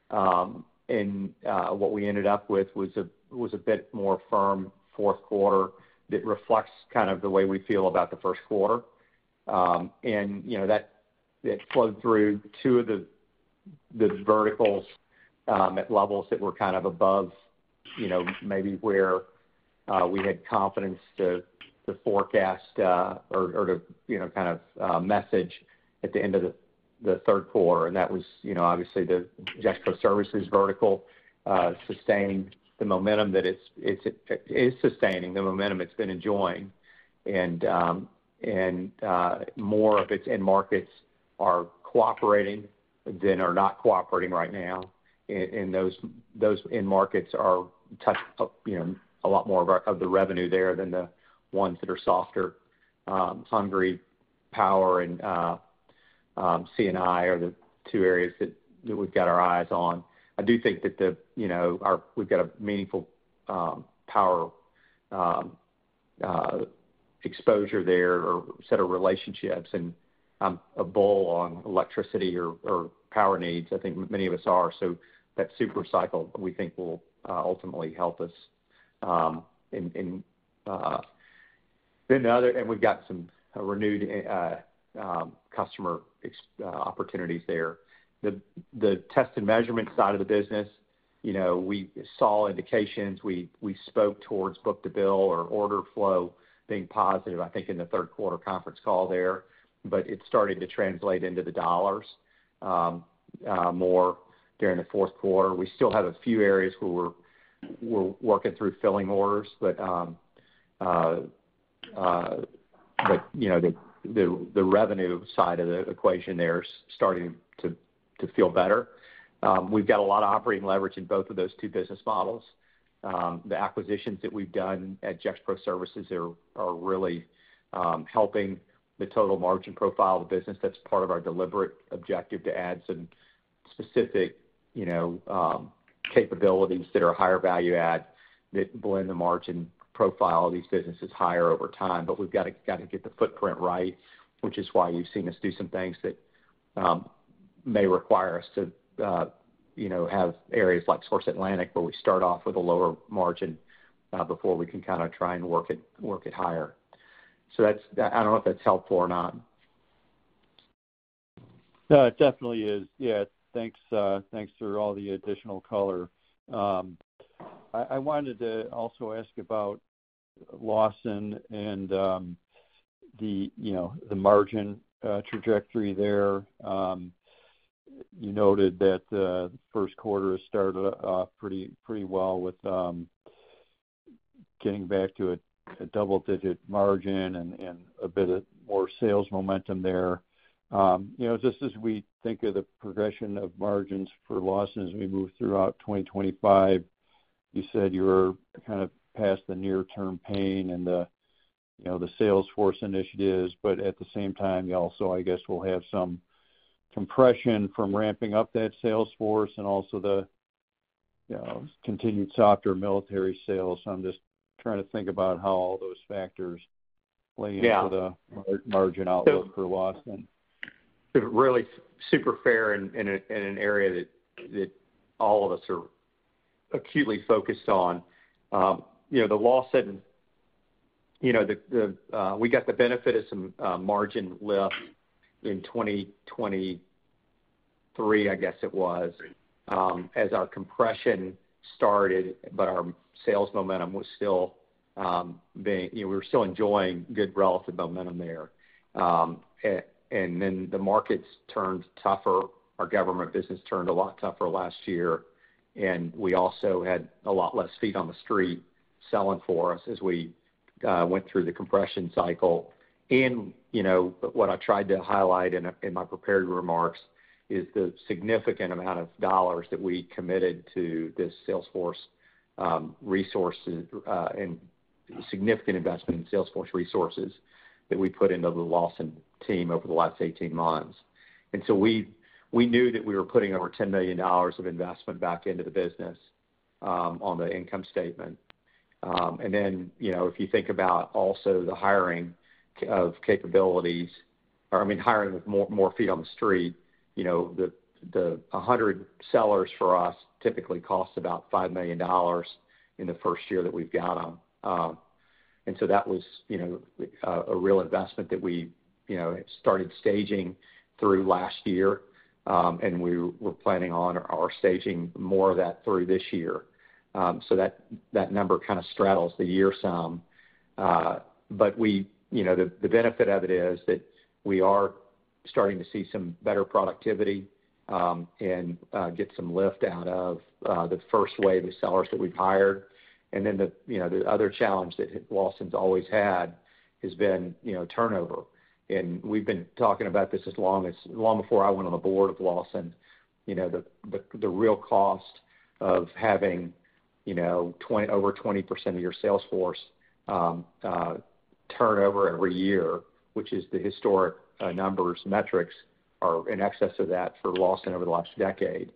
What we ended up with was a bit more firm fourth quarter that reflects kind of the way we feel about the first quarter. That flowed through two of the verticals at levels that were kind of above maybe where we had confidence to forecast or to kind of message at the end of the third quarter. That was obviously the Gexpro Services vertical sustained the momentum that it's sustaining, the momentum it's been enjoying. More of its end markets are cooperating than are not cooperating right now. Those end markets are touching up a lot more of the revenue there than the ones that are softer. Hungary, Power, and CNI are the two areas that we've got our eyes on. I do think that we've got a meaningful power exposure there or set of relationships and a bull on electricity or power needs. I think many of us are. That super cycle, we think, will ultimately help us. We've got some renewed customer opportunities there. The test and measurement side of the business, we saw indications. We spoke towards book to bill or order flow being positive, I think, in the third quarter conference call there. It started to translate into the dollars more during the fourth quarter. We still have a few areas where we're working through filling orders, but the revenue side of the equation there is starting to feel better. We've got a lot of operating leverage in both of those two business models. The acquisitions that we've done at Gexpro Services are really helping the total margin profile of the business. That's part of our deliberate objective to add some specific capabilities that are higher value-add that blend the margin profile of these businesses higher over time. We have to get the footprint right, which is why you have seen us do some things that may require us to have areas like Source Atlantic where we start off with a lower margin before we can kind of try and work it higher. I do not know if that is helpful or not. No, it definitely is. Yeah. Thanks for all the additional color. I wanted to also ask about Lawson and the margin trajectory there. You noted that the first quarter has started off pretty well with getting back to a double-digit margin and a bit of more sales momentum there. Just as we think of the progression of margins for Lawson as we move throughout 2025, you said you are kind of past the near-term pain and the Salesforce initiatives. At the same time, you also, I guess, will have some compression from ramping up that Salesforce and also the continued softer military sales. I'm just trying to think about how all those factors play into the margin outlook for Lawson. Really super fair in an area that all of us are acutely focused on. The Lawson, we got the benefit of some margin lift in 2023, I guess it was, as our compression started, but our sales momentum was still being, we were still enjoying good relative momentum there. The markets turned tougher. Our government business turned a lot tougher last year. We also had a lot less feet on the street selling for us as we went through the compression cycle. What I tried to highlight in my prepared remarks is the significant amount of dollars that we committed to this Salesforce resource and significant investment in Salesforce resources that we put into the Lawson team over the last 18 months. We knew that we were putting over $10 million of investment back into the business on the income statement. If you think about also the hiring of capabilities, or I mean, hiring with more feet on the street, the 100 sellers for us typically costs about $5 million in the first year that we've got them. That was a real investment that we started staging through last year. We were planning on our staging more of that through this year. That number kind of straddles the year some. The benefit of it is that we are starting to see some better productivity and get some lift out of the first wave of sellers that we've hired. The other challenge that Lawson's always had has been turnover. We've been talking about this as long as long before I went on the board of Lawson, the real cost of having over 20% of your Salesforce turnover every year, which is the historic numbers, metrics are in excess of that for Lawson over the last decade.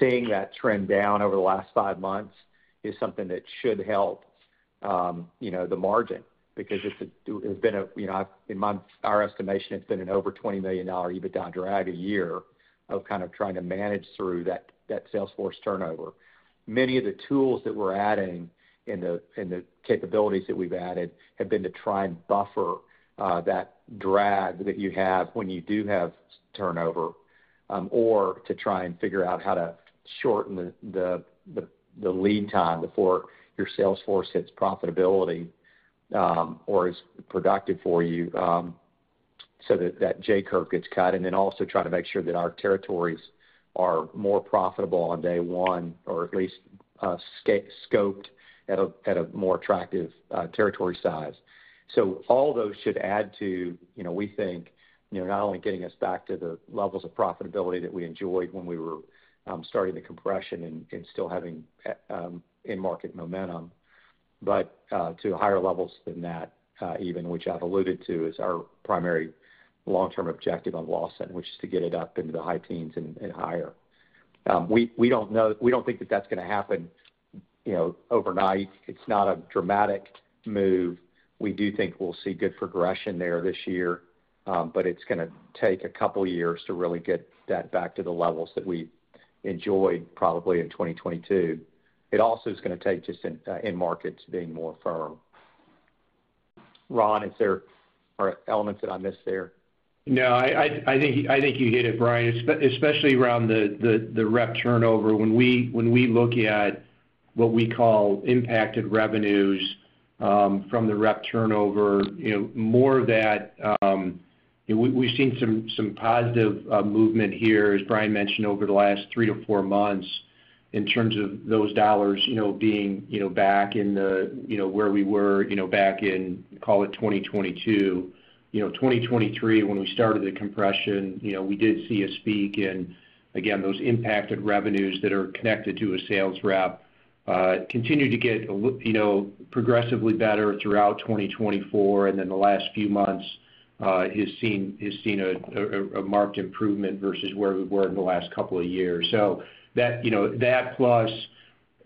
Seeing that trend down over the last five months is something that should help the margin because it's been a, in our estimation, it's been an over $20 million EBITDA drag a year of kind of trying to manage through that Salesforce turnover. Many of the tools that we're adding and the capabilities that we've added have been to try and buffer that drag that you have when you do have turnover or to try and figure out how to shorten the lead time before your Salesforce hits profitability or is productive for you so that that J curve gets cut. Also try to make sure that our territories are more profitable on day one or at least scoped at a more attractive territory size. All those should add to, we think, not only getting us back to the levels of profitability that we enjoyed when we were starting the compression and still having in-market momentum, but to higher levels than that even, which I've alluded to as our primary long-term objective on Lawson, which is to get it up into the high teens and higher. We don't think that that's going to happen overnight. It's not a dramatic move. We do think we'll see good progression there this year, but it's going to take a couple of years to really get that back to the levels that we enjoyed probably in 2022. It also is going to take just in markets being more firm. Ron, are there elements that I missed there? No, I think you hit it, Bryan, especially around the rep turnover. When we look at what we call impacted revenues from the rep turnover, more of that, we've seen some positive movement here, as Bryan mentioned, over the last three to four months in terms of those dollars being back in the where we were back in, call it 2022. 2023, when we started the compression, we did see a spike in, again, those impacted revenues that are connected to a sales rep, continue to get progressively better throughout 2024. The last few months has seen a marked improvement versus where we were in the last couple of years. That plus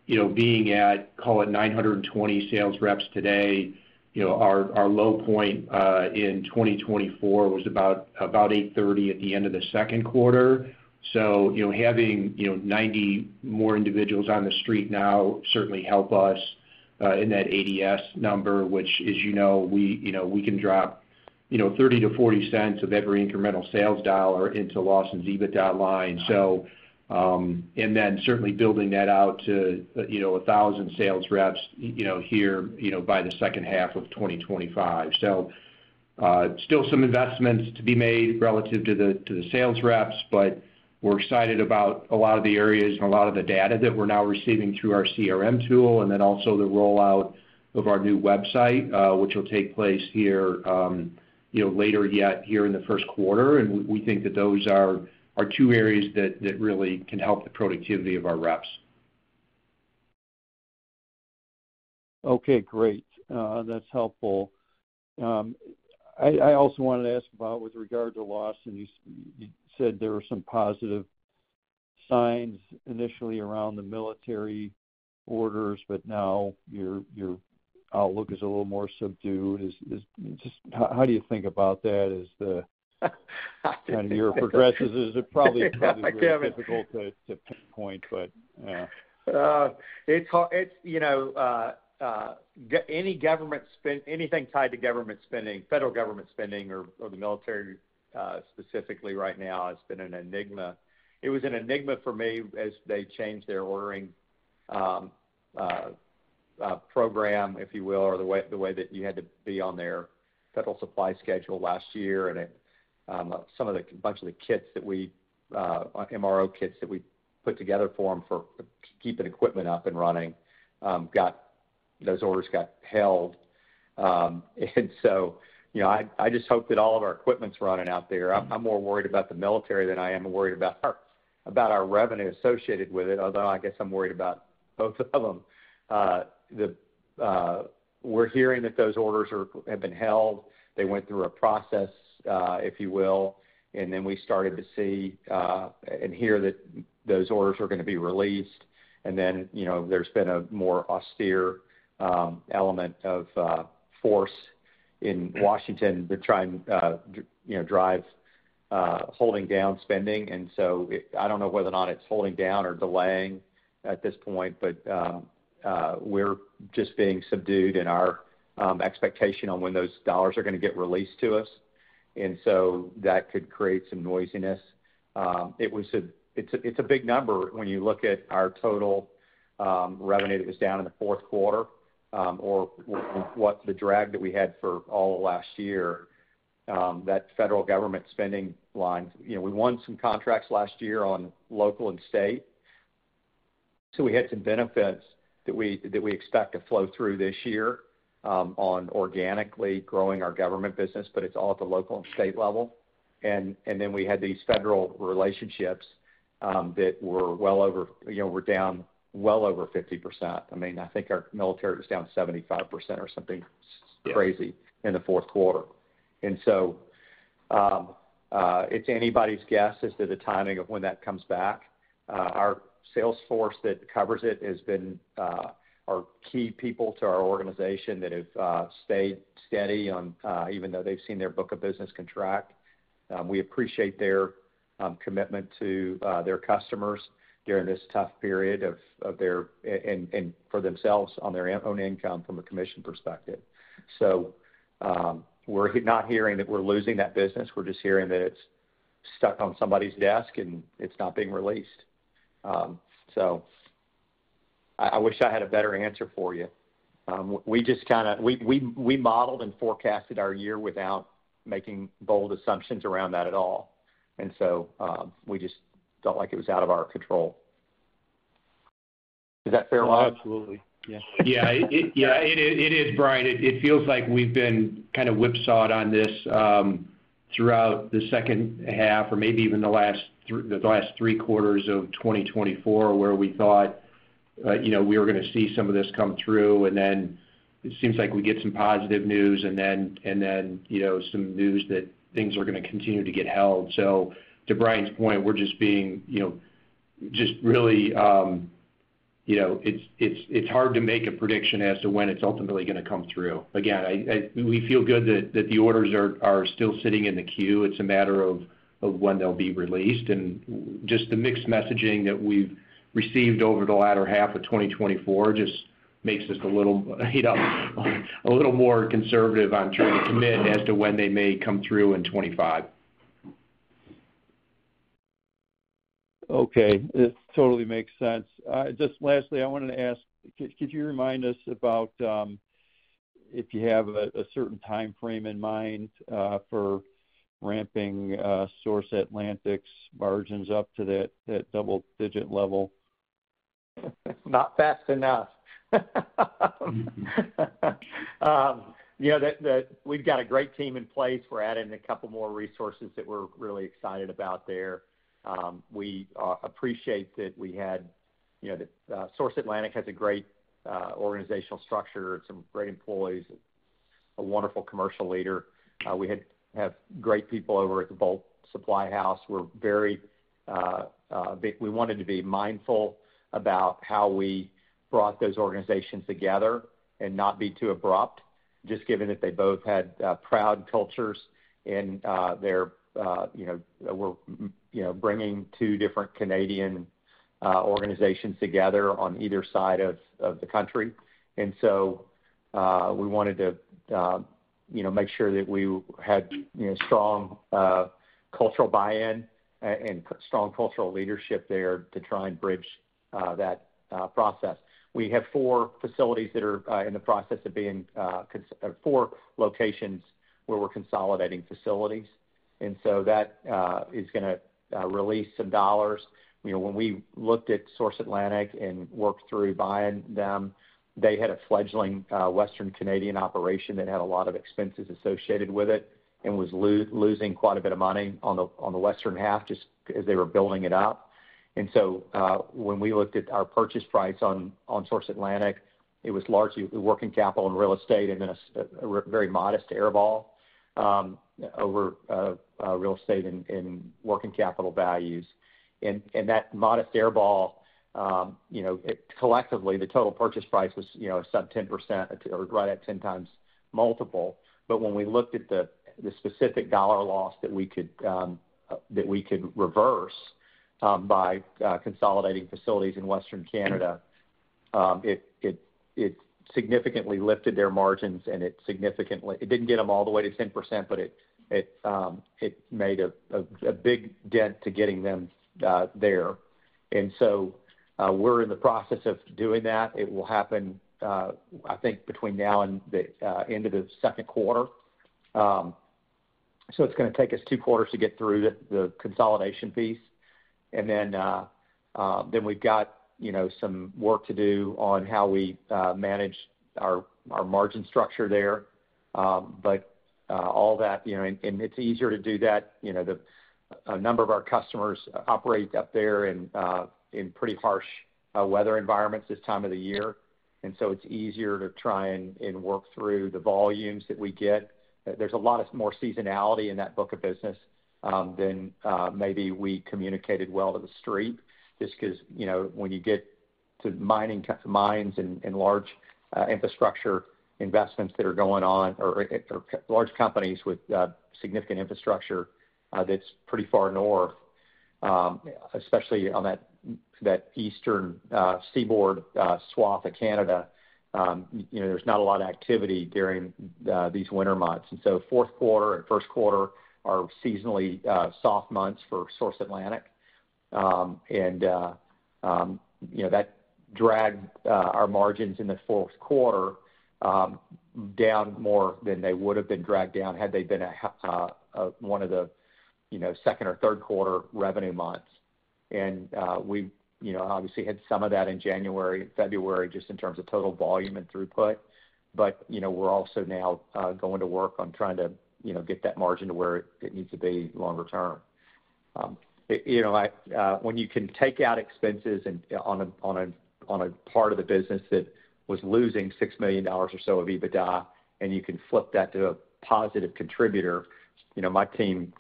being at, call it 920 sales reps today, our low point in 2024 was about 830 at the end of the second quarter. Having 90 more individuals on the street now certainly helps us in that ADS number, which is we can drop $0.30-$0.40 cents of every incremental sales dollar into Lawson's EBITDA line. Certainly building that out to 1,000 sales reps here by the second half of 2025. Still some investments to be made relative to the sales reps, but we're excited about a lot of the areas and a lot of the data that we're now receiving through our CRM tool and then also the rollout of our new website, which will take place here later yet here in the first quarter. We think that those are two areas that really can help the productivity of our reps. Okay. Great. That's helpful. I also wanted to ask about with regard to Lawson, you said there were some positive signs initially around the military orders, but now your outlook is a little more subdued. How do you think about that as the year progresses? Is it probably difficult to point, but it's hard. Any government spend, anything tied to government spending, federal government spending or the military specifically right now has been an enigma. It was an enigma for me as they changed their ordering program, if you will, or the way that you had to be on their federal supply schedule last year. And some of the bunch of the kits that we, MRO kits that we put together for them for keeping equipment up and running, those orders got held. I just hope that all of our equipment's running out there. I'm more worried about the military than I am worried about our revenue associated with it, although I guess I'm worried about both of them. We're hearing that those orders have been held. They went through a process, if you will. We started to see and hear that those orders are going to be released. There has been a more austere element of force in Washington. They're trying to drive holding down spending. I do not know whether or not it is holding down or delaying at this point, but we are just being subdued in our expectation on when those dollars are going to get released to us. That could create some noisiness. It is a big number when you look at our total revenue that was down in the fourth quarter or what the drag that we had for all last year, that federal government spending line. We won some contracts last year on local and state. We had some benefits that we expect to flow through this year on organically growing our government business, but it is all at the local and state level. We had these federal relationships that were well over, we are down well over 50%. I mean, I think our military was down 75% or something crazy in the fourth quarter. It's anybody's guess as to the timing of when that comes back. Our Salesforce that covers it has been our key people to our organization that have stayed steady even though they've seen their book of business contract. We appreciate their commitment to their customers during this tough period for their and for themselves on their own income from a commission perspective. We're not hearing that we're losing that business. We're just hearing that it's stuck on somebody's desk and it's not being released. I wish I had a better answer for you. We just kind of modeled and forecasted our year without making bold assumptions around that at all. We just felt like it was out of our control. Is that fair, Ron? Absolutely. Yeah. Yeah. Yeah. It is, Bryan. It feels like we've been kind of whipsawed on this throughout the second half or maybe even the last three quarters of 2024 where we thought we were going to see some of this come through. It seems like we get some positive news and then some news that things are going to continue to get held. To Bryan's point, we're just being just really it's hard to make a prediction as to when it's ultimately going to come through. Again, we feel good that the orders are still sitting in the queue. It's a matter of when they'll be released. The mixed messaging that we've received over the latter half of 2024 just makes us a little more conservative on trying to commit as to when they may come through in 2025. Okay. It totally makes sense. Just lastly, I wanted to ask, could you remind us about if you have a certain time frame in mind for ramping Source Atlantic's margins up to that double-digit level? Not fast enough. Yeah. We've got a great team in place. We're adding a couple more resources that we're really excited about there. We appreciate that we had Source Atlantic has a great organizational structure, some great employees, a wonderful commercial leader. We have great people over at the Bolt Supply House. We're very, we wanted to be mindful about how we brought those organizations together and not be too abrupt, just given that they both had proud cultures and they were bringing two different Canadian organizations together on either side of the country. We wanted to make sure that we had strong cultural buy-in and strong cultural leadership there to try and bridge that process. We have four facilities that are in the process of being four locations where we're consolidating facilities. That is going to release some dollars. When we looked at Source Atlantic and worked through buying them, they had a fledgling Western Canadian operation that had a lot of expenses associated with it and was losing quite a bit of money on the western half just as they were building it up. When we looked at our purchase price on Source Atlantic, it was largely working capital and real estate and then a very modest airball over real estate and working capital values. That modest airball, collectively, the total purchase price was sub 10% or right at 10 times multiple. When we looked at the specific dollar loss that we could reverse by consolidating facilities in Western Canada, it significantly lifted their margins and it significantly did not get them all the way to 10%, but it made a big dent to getting them there. We are in the process of doing that. It will happen, I think, between now and the end of the second quarter. It is going to take us two quarters to get through the consolidation piece. We have some work to do on how we manage our margin structure there. All that, and it is easier to do that. A number of our customers operate up there in pretty harsh weather environments this time of the year. It is easier to try and work through the volumes that we get. There's a lot more seasonality in that book of business than maybe we communicated well to the street just because when you get to mining mines and large infrastructure investments that are going on or large companies with significant infrastructure that's pretty far north, especially on that eastern seaboard swath of Canada, there's not a lot of activity during these winter months. Fourth quarter and first quarter are seasonally soft months for Source Atlantic. That dragged our margins in the fourth quarter down more than they would have been dragged down had they been one of the second or third quarter revenue months. We obviously had some of that in January and February just in terms of total volume and throughput. We're also now going to work on trying to get that margin to where it needs to be longer term. When you can take out expenses on a part of the business that was losing $6 million or so of EBITDA and you can flip that to a positive contributor, my team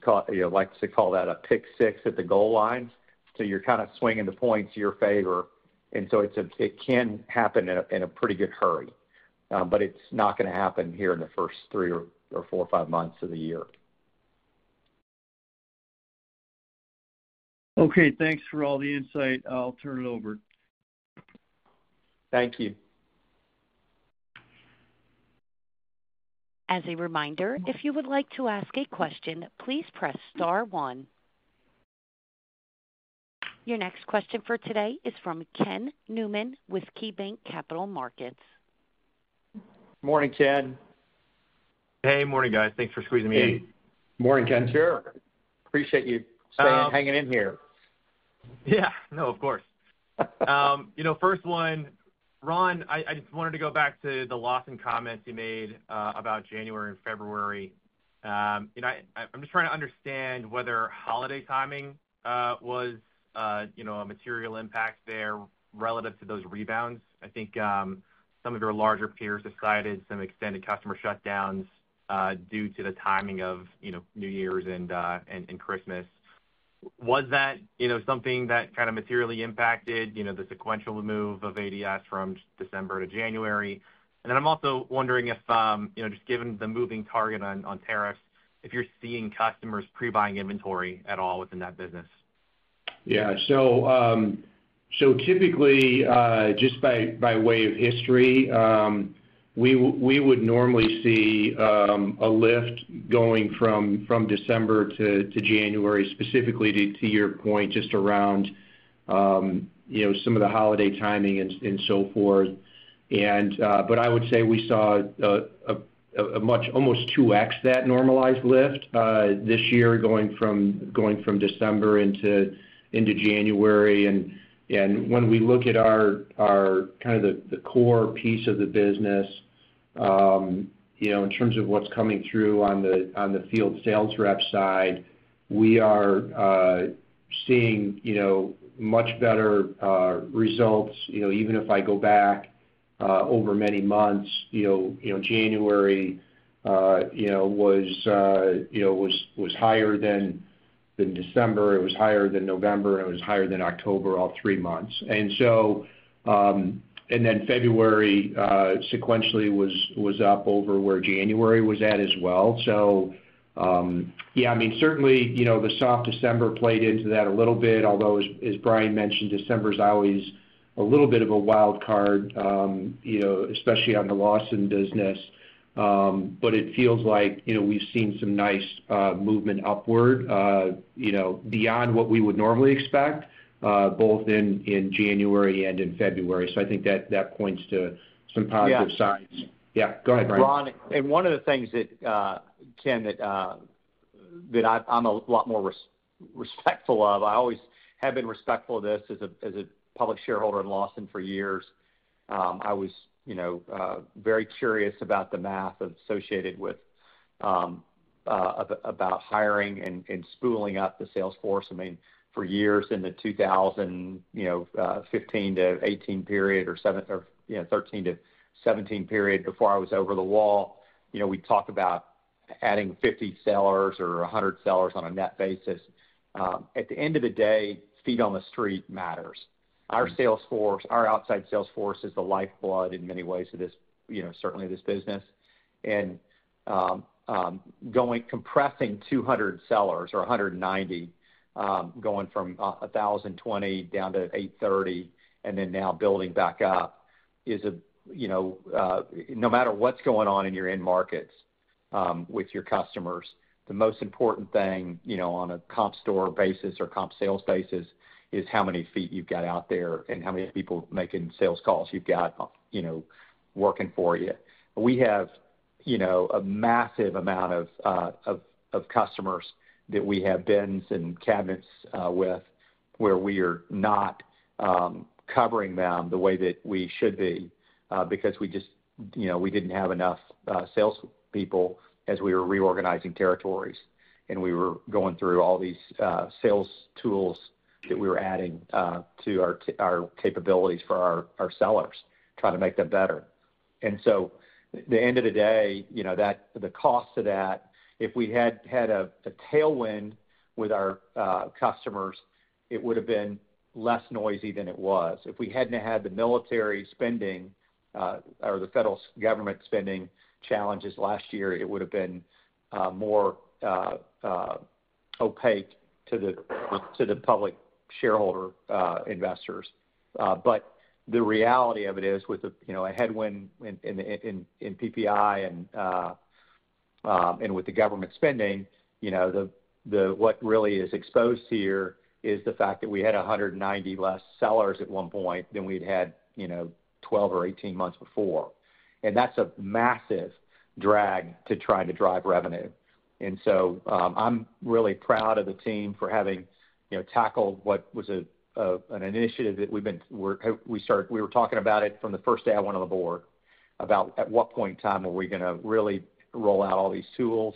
likes to call that a pick six at the goal line. You're kind of swinging the points to your favor. It can happen in a pretty good hurry, but it's not going to happen here in the first three or four or five months of the year. Okay. Thanks for all the insight. I'll turn it over. Thank you. As a reminder, if you would like to ask a question, please press star one. Your next question for today is from Ken Newman with Key Bank Capital Markets. Morning, Ken. Hey, morning, guys. Thanks for squeezing me in. Hey. Morning, Ken. Sure. Appreciate you staying hanging in here. Yeah. No, of course. First one, Ron, I just wanted to go back to the Lawson comments you made about January and February. I'm just trying to understand whether holiday timing was a material impact there relative to those rebounds. I think some of your larger peers cited some extended customer shutdowns due to the timing of New Year's and Christmas. Was that something that kind of materially impacted the sequential move of ADS from December to January? I'm also wondering if, just given the moving target on tariffs, if you're seeing customers pre-buying inventory at all within that business. Yeah. Typically, just by way of history, we would normally see a lift going from December to January, specifically to your point, just around some of the holiday timing and so forth. I would say we saw almost 2x that normalized lift this year going from December into January. When we look at our kind of the core piece of the business, in terms of what's coming through on the field sales rep side, we are seeing much better results. Even if I go back over many months, January was higher than December. It was higher than November, and it was higher than October all three months. February sequentially was up over where January was at as well. Yeah, I mean, certainly, the soft December played into that a little bit, although, as Bryan mentioned, December is always a little bit of a wild card, especially on the Lawson business. It feels like we've seen some nice movement upward beyond what we would normally expect, both in January and in February. I think that points to some positive signs. Yeah. Go ahead, Bryan. Ron, and one of the things that, Ken, that I'm a lot more respectful of, I always have been respectful of this as a public shareholder in Lawson for years. I was very curious about the math associated with about hiring and spooling up the Salesforce. I mean, for years in the 2015 to 2018 period or 2013 to 2017 period before I was over the wall, we talked about adding 50 sellers or 100 sellers on a net basis. At the end of the day, feet on the street matters. Our Salesforce, our outside Salesforce is the lifeblood in many ways of this, certainly this business. Compressing 200 sellers or 190, going from 1,020 down to 830, and then now building back up is a no matter what's going on in your end markets with your customers, the most important thing on a comp store basis or comp sales basis is how many feet you've got out there and how many people making sales calls you've got working for you. We have a massive amount of customers that we have bins and cabinets with where we are not covering them the way that we should be because we just we didn't have enough salespeople as we were reorganizing territories. We were going through all these sales tools that we were adding to our capabilities for our sellers, trying to make them better. At the end of the day, the cost of that, if we had had a tailwind with our customers, it would have been less noisy than it was. If we hadn't had the military spending or the federal government spending challenges last year, it would have been more opaque to the public shareholder investors. The reality of it is with a headwind in PPI and with the government spending, what really is exposed here is the fact that we had 190 less sellers at one point than we'd had 12 or 18 months before. That's a massive drag to try to drive revenue. I'm really proud of the team for having tackled what was an initiative that we were talking about from the first day I went on the board about at what point in time were we going to really roll out all these tools,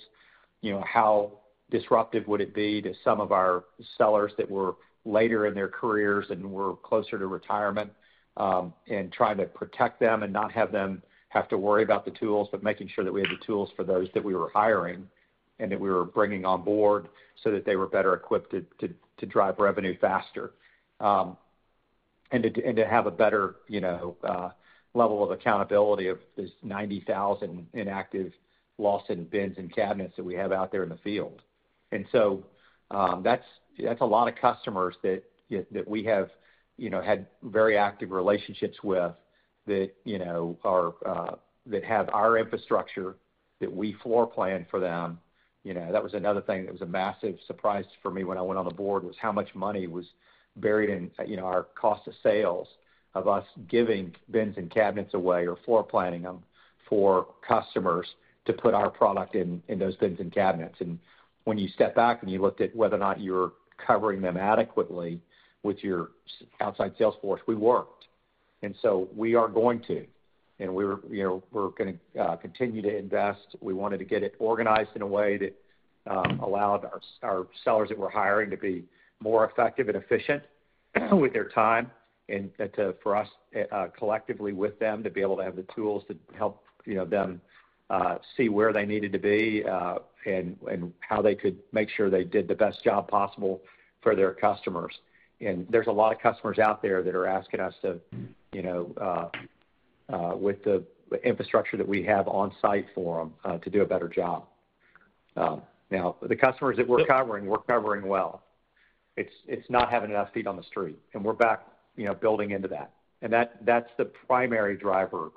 how disruptive would it be to some of our sellers that were later in their careers and were closer to retirement and trying to protect them and not have them have to worry about the tools, but making sure that we had the tools for those that we were hiring and that we were bringing on board so that they were better equipped to drive revenue faster and to have a better level of accountability of this 90,000 inactive Lawson bins and cabinets that we have out there in the field. That is a lot of customers that we have had very active relationships with that have our infrastructure that we floor plan for them. That was another thing that was a massive surprise for me when I went on the board, how much money was buried in our cost of sales of us giving bins and cabinets away or floor planning them for customers to put our product in those bins and cabinets. When you step back and you looked at whether or not you were covering them adequately with your outside Salesforce, we worked. We are going to, and we are going to continue to invest. We wanted to get it organized in a way that allowed our sellers that we're hiring to be more effective and efficient with their time and for us collectively with them to be able to have the tools to help them see where they needed to be and how they could make sure they did the best job possible for their customers. There are a lot of customers out there that are asking us to, with the infrastructure that we have on site for them, do a better job. The customers that we're covering, we're covering well. It's not having enough feet on the street. We're back building into that. That's the primary driver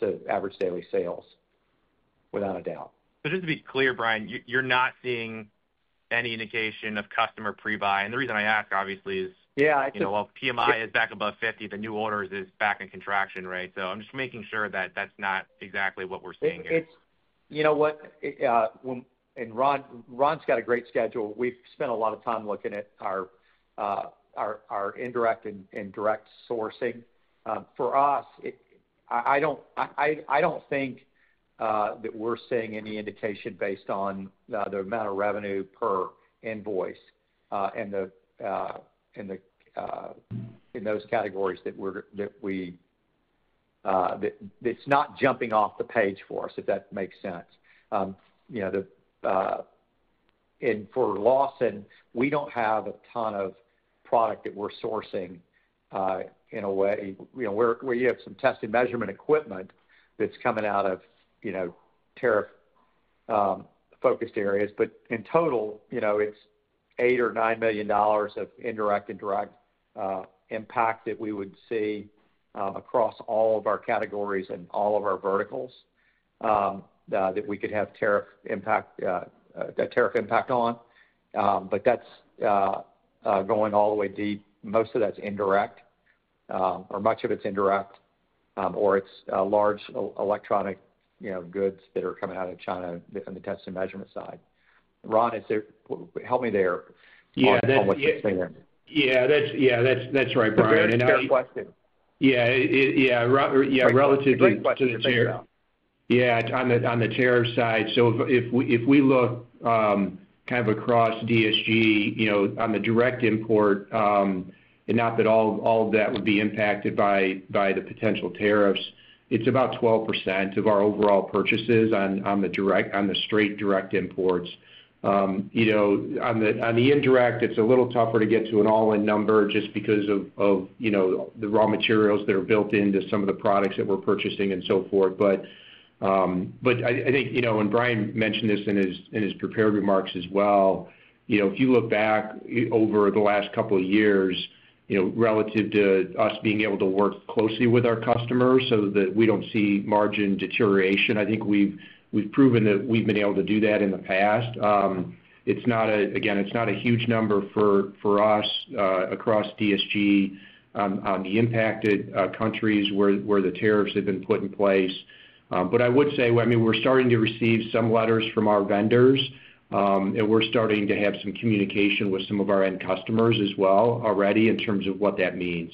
to average daily sales, without a doubt. Just to be clear, Bryan, you're not seeing any indication of customer pre-buy. The reason I ask, obviously, is PMI is back above 50. The new orders is back in contraction, right? I am just making sure that that is not exactly what we are seeing here. You know what? Ron's got a great schedule. We have spent a lot of time looking at our indirect and direct sourcing. For us, I do not think that we are seeing any indication based on the amount of revenue per invoice and in those categories that we, that is not jumping off the page for us, if that makes sense. For Lawson, we do not have a ton of product that we are sourcing in a way where you have some tested measurement equipment that is coming out of tariff-focused areas. In total, it's $8 million or $9 million of indirect and direct impact that we would see across all of our categories and all of our verticals that we could have tariff impact on. That's going all the way deep. Most of that's indirect, or much of it's indirect, or it's large electronic goods that are coming out of China on the test and measurement side. Ron, help me there. Yeah. That's right, Bryan. That's a fair question. Relatively to the chair. On the tariff side, if we look kind of across DSG on the direct import, and not that all of that would be impacted by the potential tariffs, it's about 12% of our overall purchases on the straight direct imports. On the indirect, it's a little tougher to get to an all-in number just because of the raw materials that are built into some of the products that we're purchasing and so forth. I think when Bryan mentioned this in his prepared remarks as well, if you look back over the last couple of years relative to us being able to work closely with our customers so that we don't see margin deterioration, I think we've proven that we've been able to do that in the past. Again, it's not a huge number for us across DSG on the impacted countries where the tariffs have been put in place. I would say, I mean, we're starting to receive some letters from our vendors, and we're starting to have some communication with some of our end customers as well already in terms of what that means.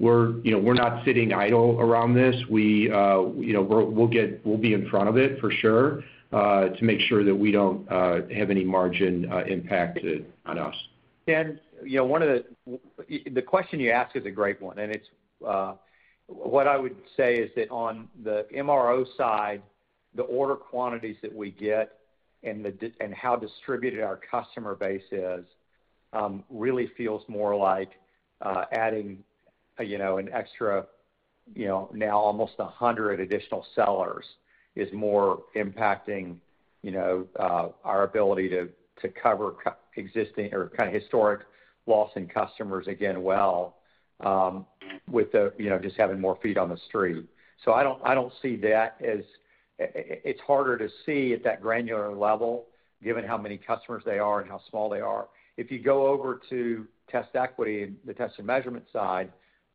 We're not sitting idle around this. We'll be in front of it for sure to make sure that we don't have any margin impacted on us. Ken, the question you asked is a great one. What I would say is that on the MRO side, the order quantities that we get and how distributed our customer base is really feels more like adding an extra now almost 100 additional sellers is more impacting our ability to cover existing or kind of historic Lawson customers again well with just having more feet on the street. I don't see that as it's harder to see at that granular level given how many customers they are and how small they are. If you go over to TestEquity and the test and measurement side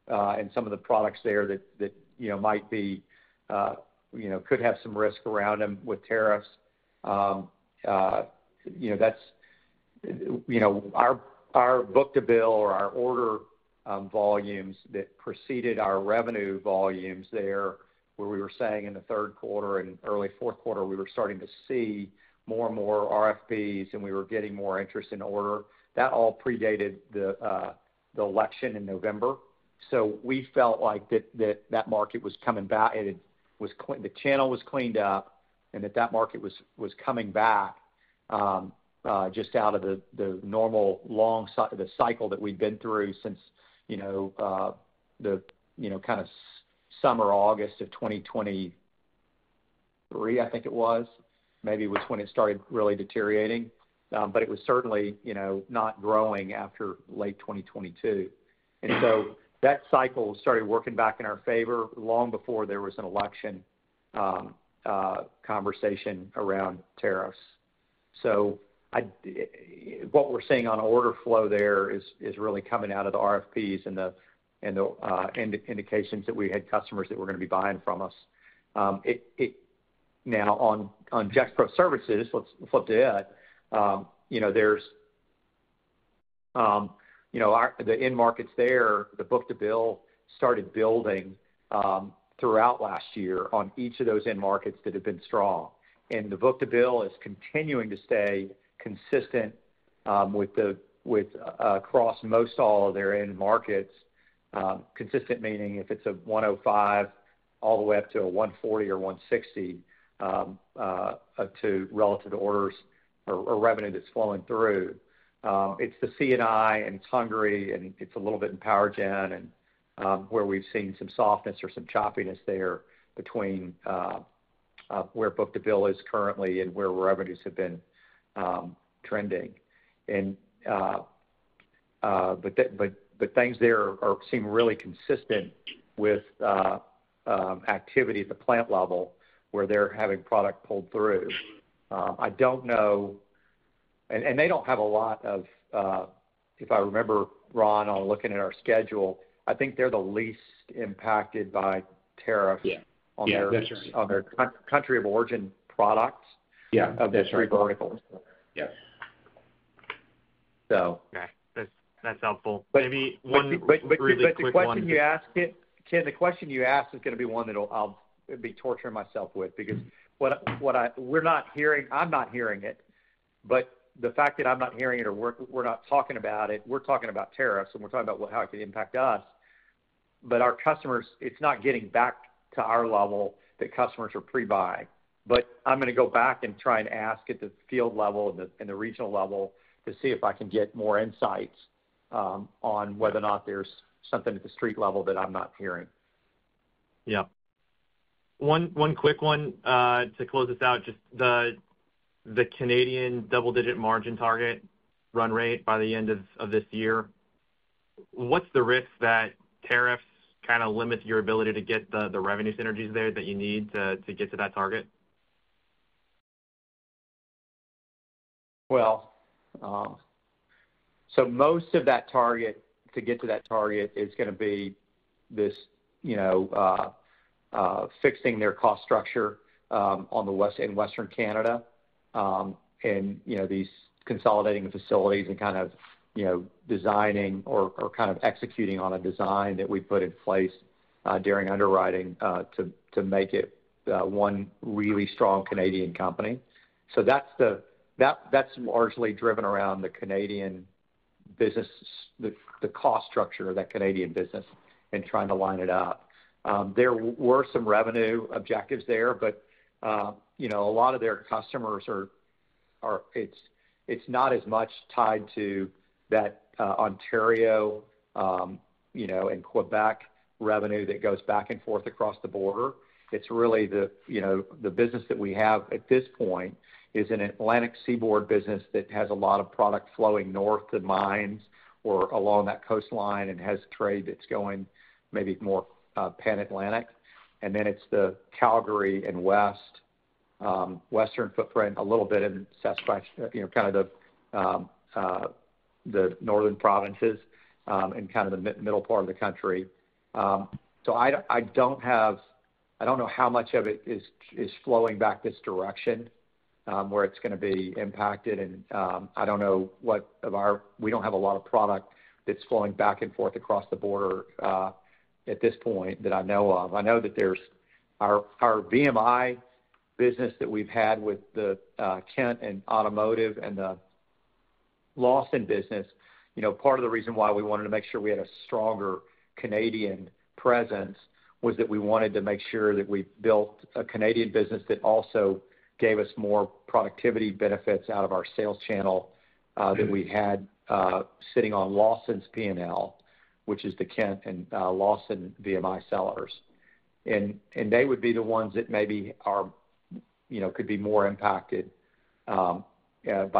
and some of the products there that might be could have some risk around them with tariffs, that's our book to bill or our order volumes that preceded our revenue volumes there where we were saying in the third quarter and early fourth quarter, we were starting to see more and more RFPs, and we were getting more interest in order. That all predated the election in November. We felt like that that market was coming back. The channel was cleaned up and that that market was coming back just out of the normal long cycle that we'd been through since the kind of summer August of 2023, I think it was, maybe was when it started really deteriorating. It was certainly not growing after late 2022. That cycle started working back in our favor long before there was an election conversation around tariffs. What we are seeing on order flow there is really coming out of the RFPs and the indications that we had customers that were going to be buying from us. Now, on Gexpro Services, let's flip to it. There are the end markets there. The book to bill started building throughout last year on each of those end markets that have been strong. The book to bill is continuing to stay consistent across most all of their end markets, consistent meaning if it is a 105 all the way up to a 140 or 160 relative to orders or revenue that is flowing through. It's the CNI and it's Hungary, and it's a little bit in PowerGen and where we've seen some softness or some choppiness there between where book to bill is currently and where revenues have been trending. Things there seem really consistent with activity at the plant level where they're having product pulled through. I don't know. They don't have a lot of, if I remember, Ron, on looking at our schedule, I think they're the least impacted by tariffs on their country of origin products of the three verticals. Yeah. Okay. That's helpful. I mean, one really quick question. The question you asked, Ken, the question you asked is going to be one that I'll be torturing myself with because what I'm not hearing, but the fact that I'm not hearing it or we're not talking about it, we're talking about tariffs, and we're talking about how it can impact us. Our customers, it's not getting back to our level that customers are pre-buying. I'm going to go back and try and ask at the field level and the regional level to see if I can get more insights on whether or not there's something at the street level that I'm not hearing. Yeah. One quick one to close this out, just the Canadian double-digit margin target run rate by the end of this year. What's the risk that tariffs kind of limit your ability to get the revenue synergies there that you need to get to that target? Most of that target to get to that target is going to be this fixing their cost structure on the West and Western Canada and these consolidating facilities and kind of designing or kind of executing on a design that we put in place during underwriting to make it one really strong Canadian company. That's largely driven around the Canadian business, the cost structure of that Canadian business and trying to line it up. There were some revenue objectives there, but a lot of their customers are it's not as much tied to that Ontario and Quebec revenue that goes back and forth across the border. It's really the business that we have at this point is an Atlantic Seaboard business that has a lot of product flowing north to mines or along that coastline and has trade that's going maybe more Pan-Atlantic. It is the Calgary and West Western footprint, a little bit in kind of the northern provinces and kind of the middle part of the country. I don't know how much of it is flowing back this direction where it's going to be impacted. I don't know what of our, we don't have a lot of product that's flowing back and forth across the border at this point that I know of. I know that there's our VMI business that we've had with Kent Automotive and the Lawson business. Part of the reason why we wanted to make sure we had a stronger Canadian presence was that we wanted to make sure that we built a Canadian business that also gave us more productivity benefits out of our sales channel that we had sitting on Lawson's PNL, which is the Kent and Lawson VMI sellers. They would be the ones that maybe could be more impacted by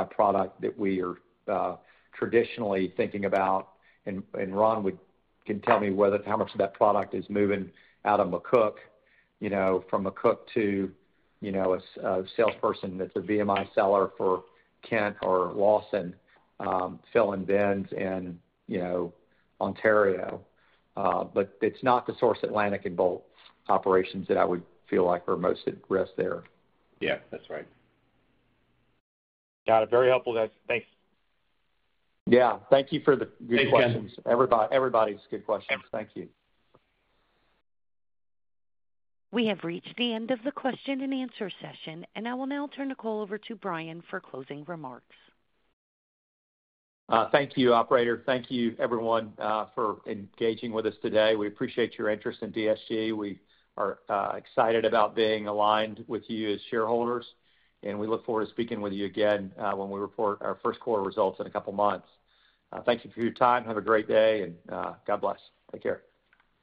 product that we are traditionally thinking about. Ron can tell me how much of that product is moving out of McCook from McCook to a salesperson that's a VMI seller for Kent or Lawson, Phil and Benz in Ontario. It is not the Source Atlantic and Bolt operations that I would feel like are most at risk there. Yes, that's right. Got it. Very helpful. Thanks. Thank you for the good questions. Everybody's good questions. Thank you. We have reached the end of the question and answer session, and I will now turn the call over to Bryan for closing remarks. Thank you, operator. Thank you, everyone, for engaging with us today. We appreciate your interest in DSG. We are excited about being aligned with you as shareholders, and we look forward to speaking with you again when we report our first quarter results in a couple of months. Thank you for your time. Have a great day, and God bless. Take care.